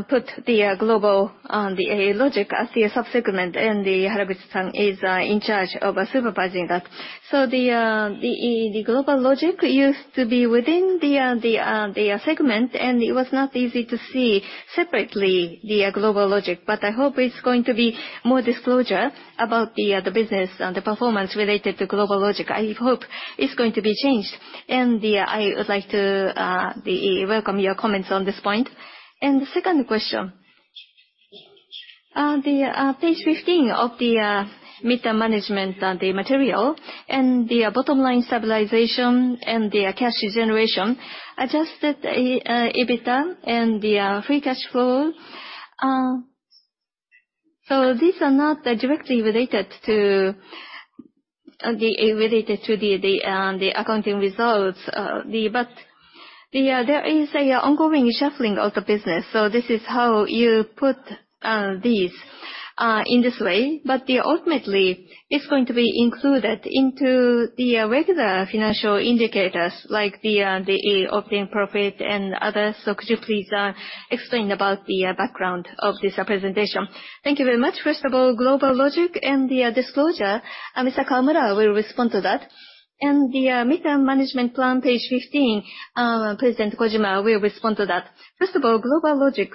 Speaker 1: put the GlobalLogic as your sub-segment and Haraguchi-san is in charge of supervising that. The GlobalLogic used to be within the segment, it was not easy to see separately the GlobalLogic. I hope it's going to be more disclosure about the business and the performance related to GlobalLogic. I hope it's going to be changed, and I would like to welcome your comments on this point. The second question. Page 15 of the mid-term management and the material, the bottom line stabilization and the cash generation, adjusted EBITDA and the free cash flow.
Speaker 10: These are not directly related to the accounting results, there is a ongoing shuffling of the business, this is how you put these in this way. Ultimately, it's going to be included into the regular financial indicators, like the operating profit and others. Could you please explain about the background of this presentation?
Speaker 3: Thank you very much. First of all, GlobalLogic and the disclosure, Mr. Kawamura will respond to that. The Mid-term Management Plan, page 15, President Kojima will respond to that. First of all, GlobalLogic.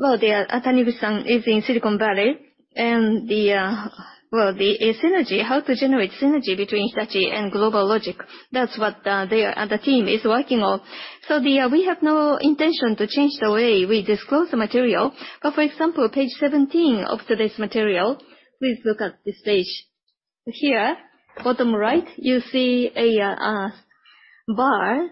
Speaker 3: Taniguchi-san is in Silicon Valley, the synergy, how to generate synergy between Hitachi and GlobalLogic, that's what the team is working on. We have no intention to change the way we disclose the material. For example, page 17 of today's material, please look at this page. Here, bottom right, you see a bar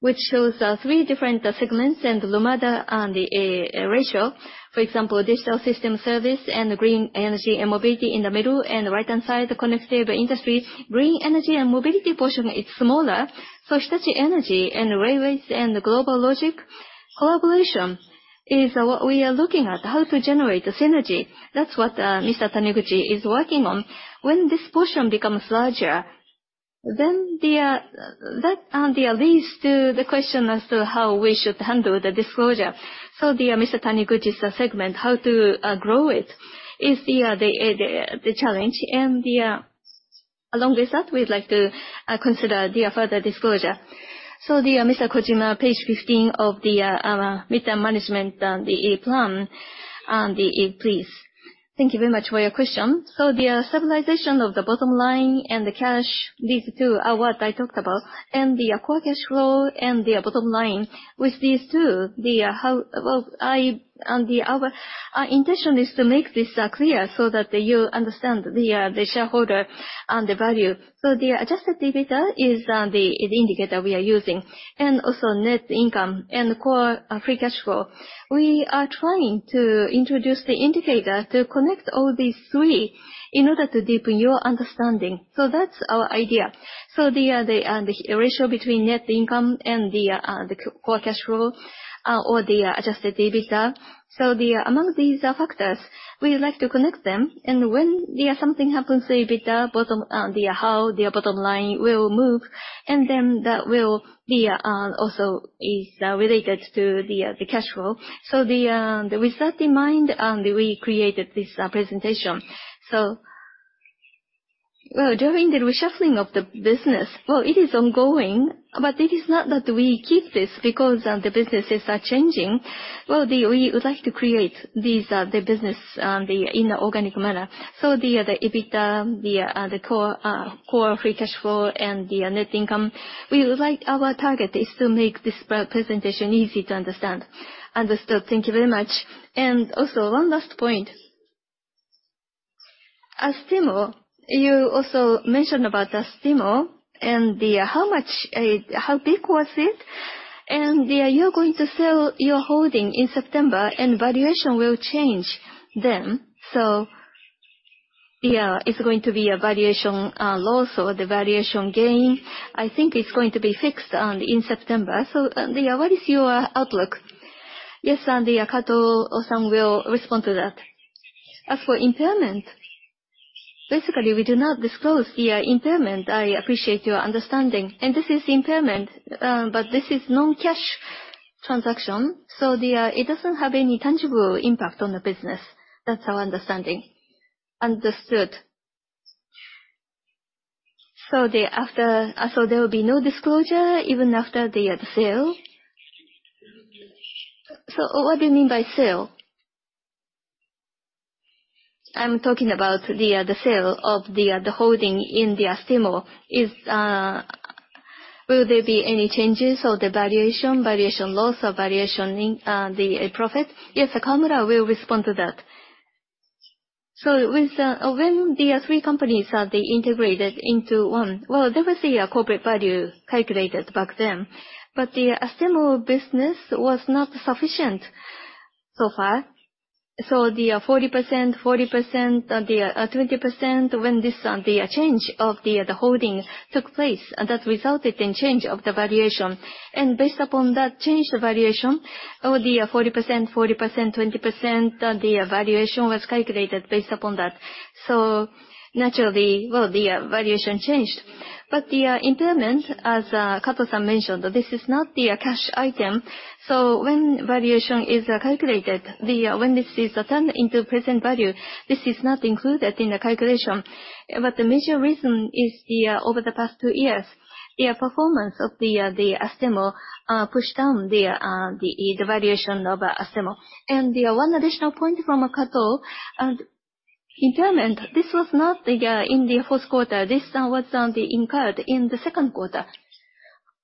Speaker 3: which shows three different segments and the ratio. For example, Digital Systems & Services and Green Energy & Mobility in the middle and right-hand side, the Connective Industries. Green Energy & Mobility portion is smaller, Hitachi Energy and railways and GlobalLogic collaboration is what we are looking at, how to generate the synergy. That's what Mr. Taniguchi is working on. When this portion becomes larger, then that leads to the question as to how we should handle the disclosure. Mr. Taniguchi's segment, how to grow it is the challenge. Along with that, we'd like to consider the further disclosure. Mr. Kojima, page 15 of the Mid-term Management Plan
Speaker 2: The, please. Thank you very much for your question. The stabilization of the bottom line and the cash, these two are what I talked about, and the core free cash flow and the bottom line, with these two, our intention is to make this clear so that you understand the shareholder and the value. The adjusted EBITDA is the indicator we are using, and also net income and the core free cash flow. We are trying to introduce the indicator to connect all these three in order to deepen your understanding. That's our idea. The ratio between net income and the core free cash flow or the adjusted EBITDA. Among these factors, we like to connect them, and when something happens to EBITDA, how the bottom line will move, and then that also is related to the cash flow. With that in mind, we created this presentation. During the reshuffling of the business, it is ongoing, but it is not that we keep this, because the businesses are changing. We would like to create the business in an organic manner. The EBITDA, the core free cash flow, and the net income, our target is to make this presentation easy to understand. Understood. Thank you very much. Also, one last point. Astemo, you also mentioned about Astemo and how big was it? You're going to sell your holding in September and valuation will change then. It's going to be a valuation loss or the valuation gain. I think it's going to be fixed in September. What is your outlook? Yes, Kato-san will respond to that. As for impairment, basically, we do not disclose the impairment. I appreciate your understanding.
Speaker 1: This is impairment, but this is non-cash transaction, it doesn't have any tangible impact on the business. That's our understanding. Understood. There will be no disclosure even after the sale? What do you mean by sale? I'm talking about the sale of the holding in Astemo. Will there be any changes or the valuation loss or valuation profit? Yes. Kamura will respond to that. When the three companies are integrated into one, there was a corporate value calculated back then, but the Astemo business was not sufficient so far. The 40%, 40%, the 20%, when the change of the holding took place, that resulted in change of the valuation. Based upon that changed valuation of the 40%, 40%, 20%, the valuation was calculated based upon that. Naturally, the valuation changed.
Speaker 3: The impairment, as Kato-san mentioned, this is not the cash item. When valuation is calculated, when this is turned into present value, this is not included in the calculation. The major reason is over the past two years, the performance of Astemo pushed down the valuation of Astemo. One additional point from Kato, impairment, this was not in the fourth quarter. This was incurred in the second quarter.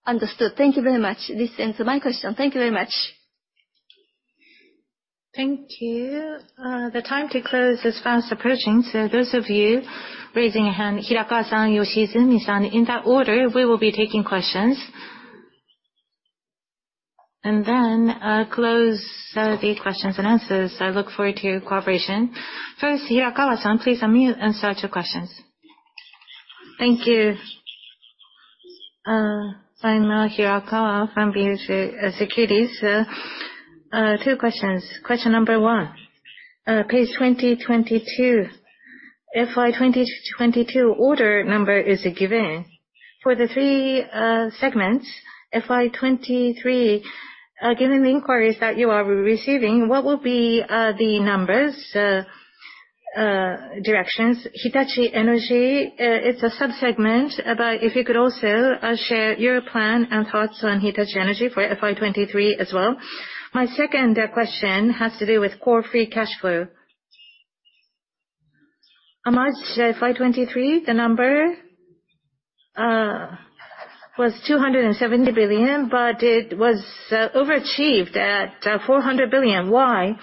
Speaker 3: Understood. Thank you very much. This answers my question. Thank you very much.
Speaker 1: Thank you. The time to close is fast approaching, those of you raising a hand, Hirakawa-san, Yoshizumi-san, in that order, we will be taking questions. Then I'll close the questions and answers. I look forward to your cooperation. First, Hirakawa-san, please unmute and start your questions. Thank you. I'm Hirakawa from BofA Securities. Two questions. Question number one, page 2022, FY 2022 order number is given. For the three segments, FY 2023, given the inquiries that you are receiving, what will be the numbers, directions? Hitachi Energy, it's a sub-segment, but if you could also share your plan and thoughts on Hitachi Energy for FY 2023 as well. My second question has to do with core free cash flow. On March FY 2023, the number was 270 billion, but it was overachieved at 400 billion. Why?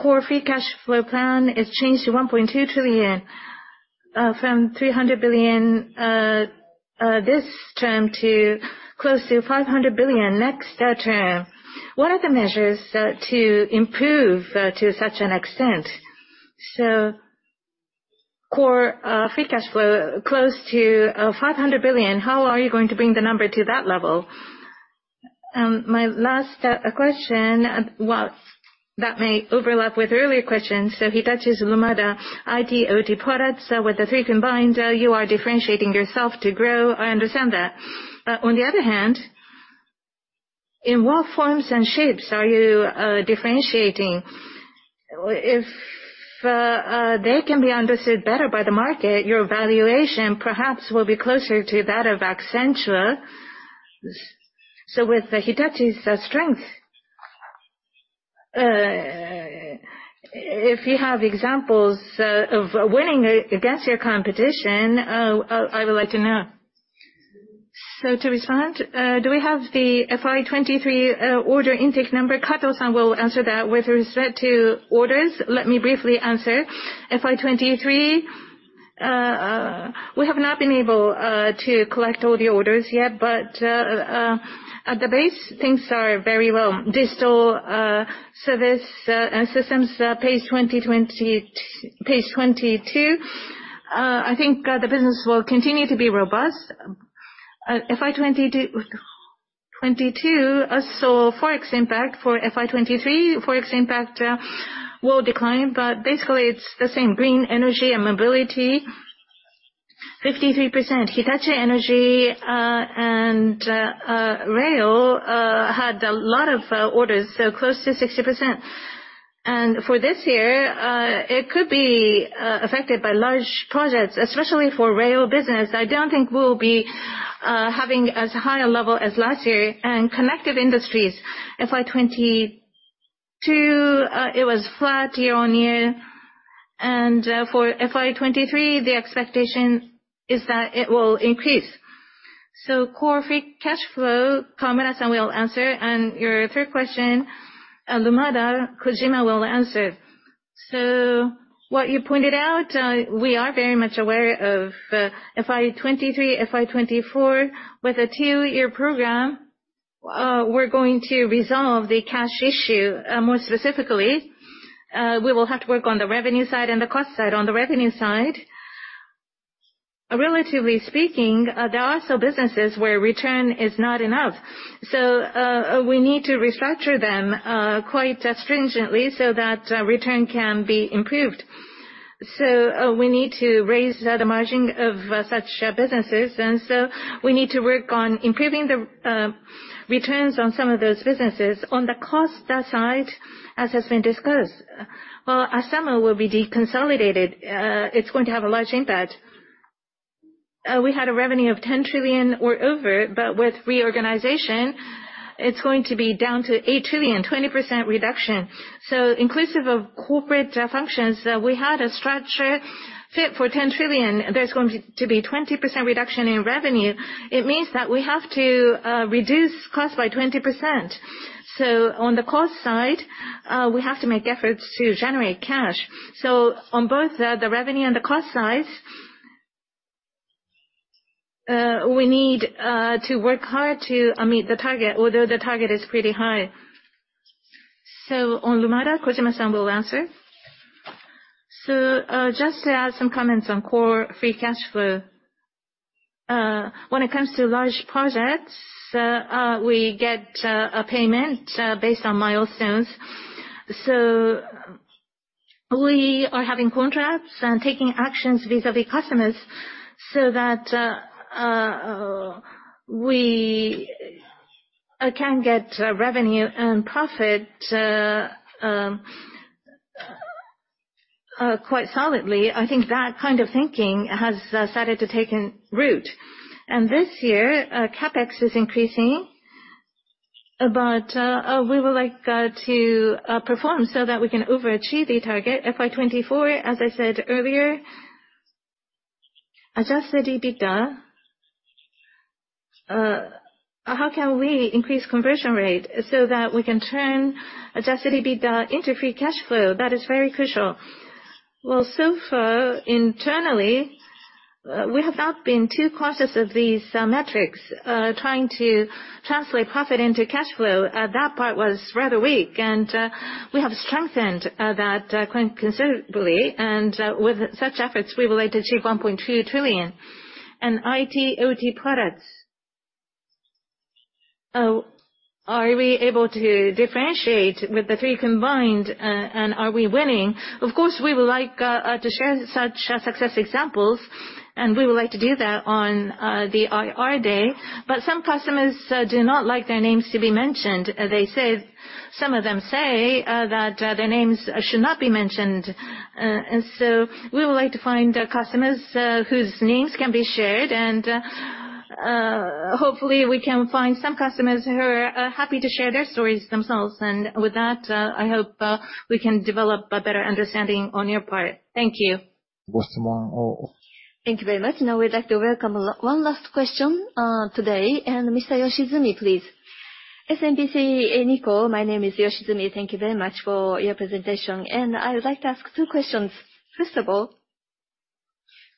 Speaker 11: Core free cash flow plan is changed to 1.2 trillion from 300 billion this term to close to 500 billion next term. What are the measures to improve to such an extent? Core free cash flow close to 500 billion, how are you going to bring the number to that level? My last question, well, that may overlap with earlier questions. Hitachi's Lumada IT/OT products, with the three combined, you are differentiating yourself to grow. I understand that. On the other hand, in what forms and shapes are you differentiating? If they can be understood better by the market, your valuation perhaps will be closer to that of Accenture. With Hitachi's strength, if you have examples of winning against your competition, I would like to know.
Speaker 1: To respond, do we have the FY 2023 order intake number? Kato-san will answer that. With respect to orders, let me briefly answer. FY 2023, we have not been able to collect all the orders yet, but at the base, things are very well. Digital Systems & Services, page 22, I think the business will continue to be robust. FY 2022 saw forex impact. For FY 2023, forex impact will decline, but basically it's the same. Green Energy & Mobility, 53%. Hitachi Energy and Railway had a lot of orders, so close to 60%. For this year, it could be affected by large projects, especially for Railway business. I don't think we'll be having as high a level as last year. Connective Industries, FY 2022, it was flat year-on-year. For FY 2023, the expectation is that it will increase. Core free cash flow, Kameda-san will answer.
Speaker 3: Your third question on Lumada, Kojima will answer. What you pointed out, we are very much aware of FY 2023, FY 2024. With a two-year program, we're going to resolve the cash issue. More specifically, we will have to work on the revenue side and the cost side. On the revenue side, relatively speaking, there are some businesses where return is not enough. We need to restructure them quite stringently so that return can be improved. We need to raise the margin of such businesses. We need to work on improving the returns on some of those businesses. On the cost side, as has been discussed, Astemo will be deconsolidated. It's going to have a large impact. We had a revenue of 10 trillion or over, but with reorganization, it's going to be down to 8 trillion, 20% reduction. Inclusive of corporate functions, we had a structure fit for 10 trillion. There's going to be 20% reduction in revenue. It means that we have to reduce cost by 20%. On the cost side, we have to make efforts to generate cash. On both the revenue and the cost sides, we need to work hard to meet the target, although the target is pretty high. On Lumada, Kojima-san will answer. Just to add some comments on core free cash flow. When it comes to large projects, we get a payment based on milestones. We are having contracts and taking actions vis-a-vis customers so that we can get revenue and profit quite solidly. I think that kind of thinking has started to take root. This year, CapEx is increasing. But we would like to perform so that we can overachieve the target.
Speaker 2: FY 2024, as I said earlier, adjusted EBITDA, how can we increase conversion rate so that we can turn adjusted EBITDA into free cash flow? That is very crucial. Well, so far internally, we have not been too conscious of these metrics, trying to translate profit into cash flow. That part was rather weak, and we have strengthened that quite considerably. With such efforts, we would like to achieve 1.2 trillion. IT, OT products, are we able to differentiate with the three combined, and are we winning? Of course, we would like to share such success examples, and we would like to do that on the IR day. But some customers do not like their names to be mentioned. Some of them say that their names should not be mentioned. We would like to find customers whose names can be shared, and hopefully we can find some customers who are happy to share their stories themselves. With that, I hope we can develop a better understanding on your part. Thank you.
Speaker 1: Thank you very much. Now we'd like to welcome one last question today, Mr. Yoshizumi, please. SMBC Nikko, my name is Yoshizumi. Thank you very much for your presentation. I would like to ask two questions. First of all,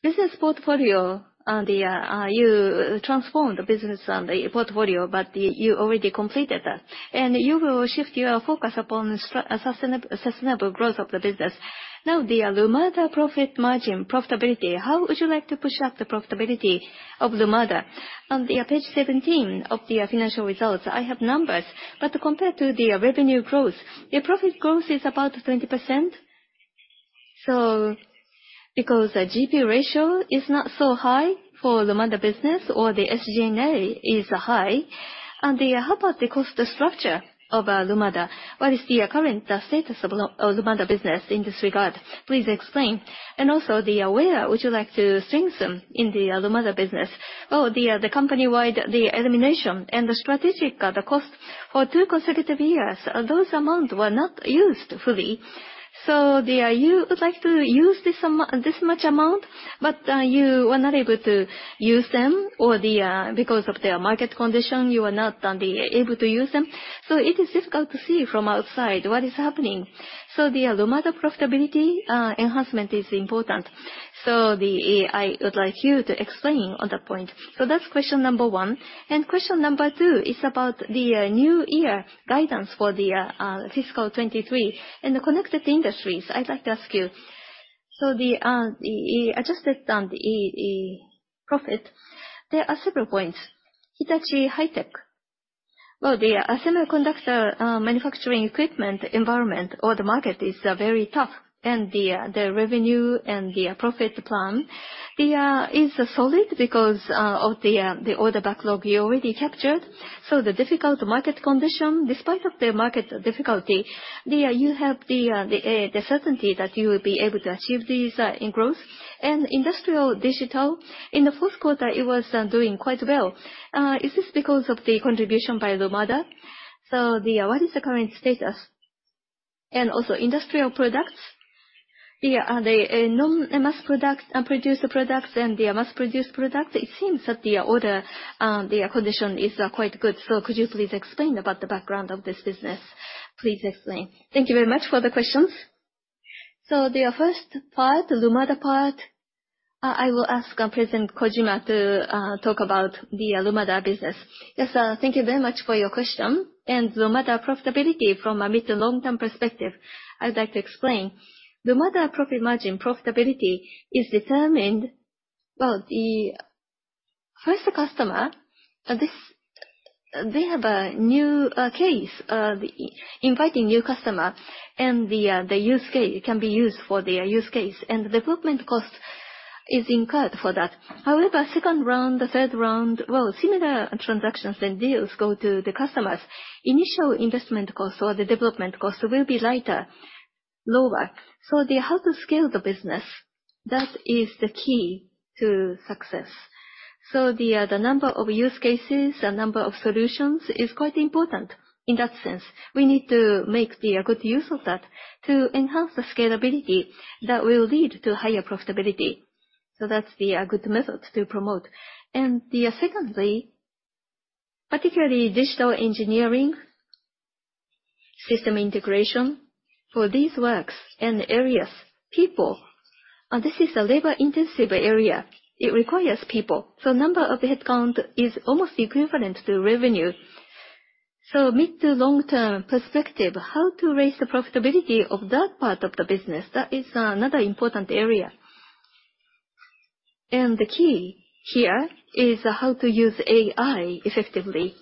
Speaker 1: business portfolio. You transformed the business portfolio, but you already completed that. You will shift your focus upon sustainable growth of the business. The Lumada profit margin profitability, how would you like to push up the profitability of Lumada? On page 17 of the financial results, I have numbers, but compared to the revenue growth, the profit growth is about 20%. Because the GP ratio is not so high for Lumada business, or the SG&A is high, how about the cost structure of Lumada? What is the current status of Lumada business in this regard? Please explain.
Speaker 12: Also, would you like to strengthen the Lumada business or the company-wide elimination and the strategic cost for two consecutive years, those amounts were not used fully. You would like to use this much amount, but you were not able to use them, or because of the market condition, you were not able to use them. It is difficult to see from outside what is happening. The Lumada profitability enhancement is important. I would like you to explain on that point. That's question number one. Question number two is about the new year guidance for the fiscal 2023 and the Connective Industries. I'd like to ask you. The adjusted profit, there are several points. Hitachi High-Tech. The semiconductor manufacturing equipment environment or the market is very tough, the revenue and the profit plan is solid because of the order backlog you already captured. The difficult market condition, despite of the market difficulty, you have the certainty that you will be able to achieve this in growth. Industrial digital, in the fourth quarter, it was doing quite well. Is this because of the contribution by Lumada? What is the current status? Also industrial products. The non-mass-produced products and the mass-produced product, it seems that the order condition is quite good. Could you please explain about the background of this business? Please explain. Thank you very much for the questions. The first part, Lumada part, I will ask President Kojima to talk about the Lumada business. Yes, thank you very much for your question.
Speaker 2: Lumada profitability from a mid- to long-term perspective, I'd like to explain. Lumada profit margin profitability is determined by the first customer. They have a new case, inviting new customer, and it can be used for their use case. Development cost is incurred for that. However, second round, the third round, similar transactions and deals go to the customers. Initial investment cost or the development cost will be lighter, lower. How to scale the business, that is the key to success. The number of use cases, the number of solutions is quite important in that sense. We need to make good use of that to enhance the scalability that will lead to higher profitability. That's the good method to promote. Secondly, particularly digital engineering, system integration, for these works and areas, people. This is a labor-intensive area. It requires people. Number of headcount is almost equivalent to revenue. Mid- to long-term perspective, how to raise the profitability of that part of the business, that is another important area. The key here is how to use AI effectively.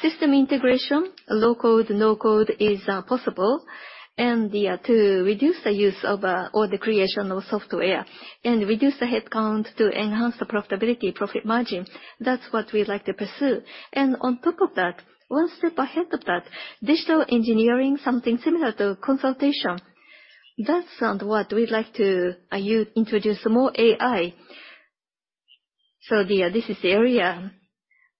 Speaker 2: System integration, low-code, no-code is possible, and to reduce the use of all the creation of software and reduce the headcount to enhance the profitability, profit margin. That's what we'd like to pursue. On top of that, one step ahead of that, digital engineering, something similar to consultation. That's what we'd like to introduce more AI. This is the area.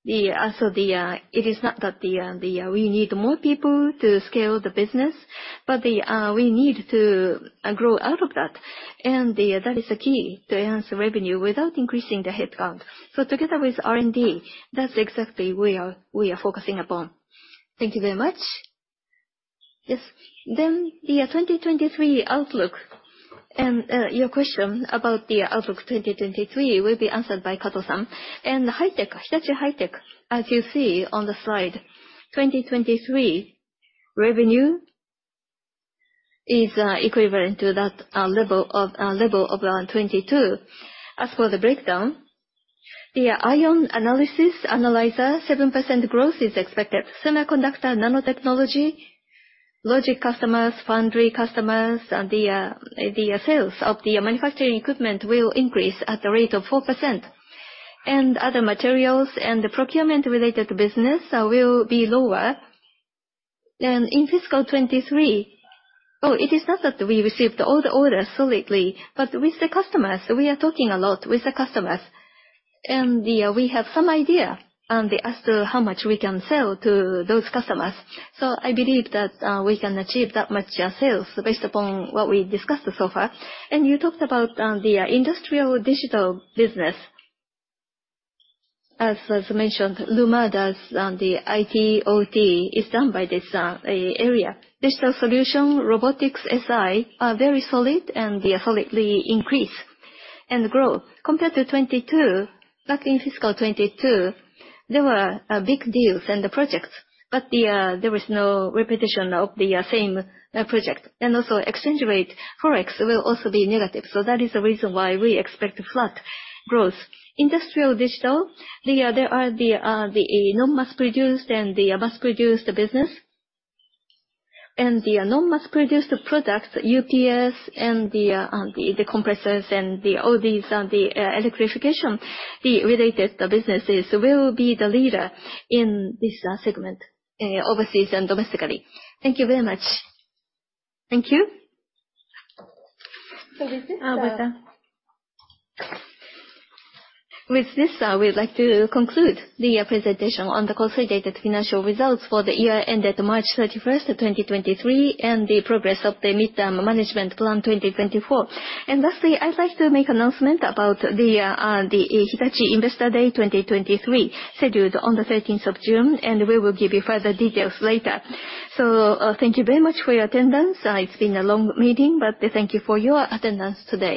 Speaker 2: It is not that we need more people to scale the business, but we need to grow out of that. That is the key to enhance revenue without increasing the headcount. Together with R&D, that's exactly where we are focusing upon.
Speaker 1: Thank you very much. Yes. The 2023 outlook and your question about the outlook 2023 will be answered by Kato-san. Hitachi High-Tech, as you see on the slide, 2023 revenue is equivalent to that level of 2022. As for the breakdown, the ion analysis analyzer, 7% growth is expected. Semiconductor, nanotechnology, logic customers, foundry customers, the sales of the manufacturing equipment will increase at the rate of 4%. Other materials and the procurement-related business will be lower. In fiscal 2023, it is not that we received all the orders solidly, but with the customers, we are talking a lot with the customers, and we have some idea as to how much we can sell to those customers. I believe that we can achieve that much sales based upon what we discussed so far. You talked about the industrial digital business. As mentioned, Lumada's IT/OT is done by this area. Digital solution, robotics SI are very solid and solidly increase and grow. Compared to 2022, back in fiscal 2022, there were big deals and projects, but there was no repetition of the same project. Also exchange rate, Forex, will also be negative. That is the reason why we expect flat growth. Industrial digital, there are the non-mass-produced and the mass-produced business. The non-mass-produced products, UPS and the compressors and all these, the electrification related businesses, we will be the leader in this segment, overseas and domestically. Thank you very much. Thank you. Awata. With this, we'd like to conclude the presentation on the consolidated financial results for the year ended March 31st, 2023, and the progress of the Mid-term Management Plan 2024. Lastly, I'd like to make announcement about the Hitachi Investor Day 2023, scheduled on the 13th of June, and we will give you further details later. Thank you very much for your attendance. It's been a long meeting, but thank you for your attendance today.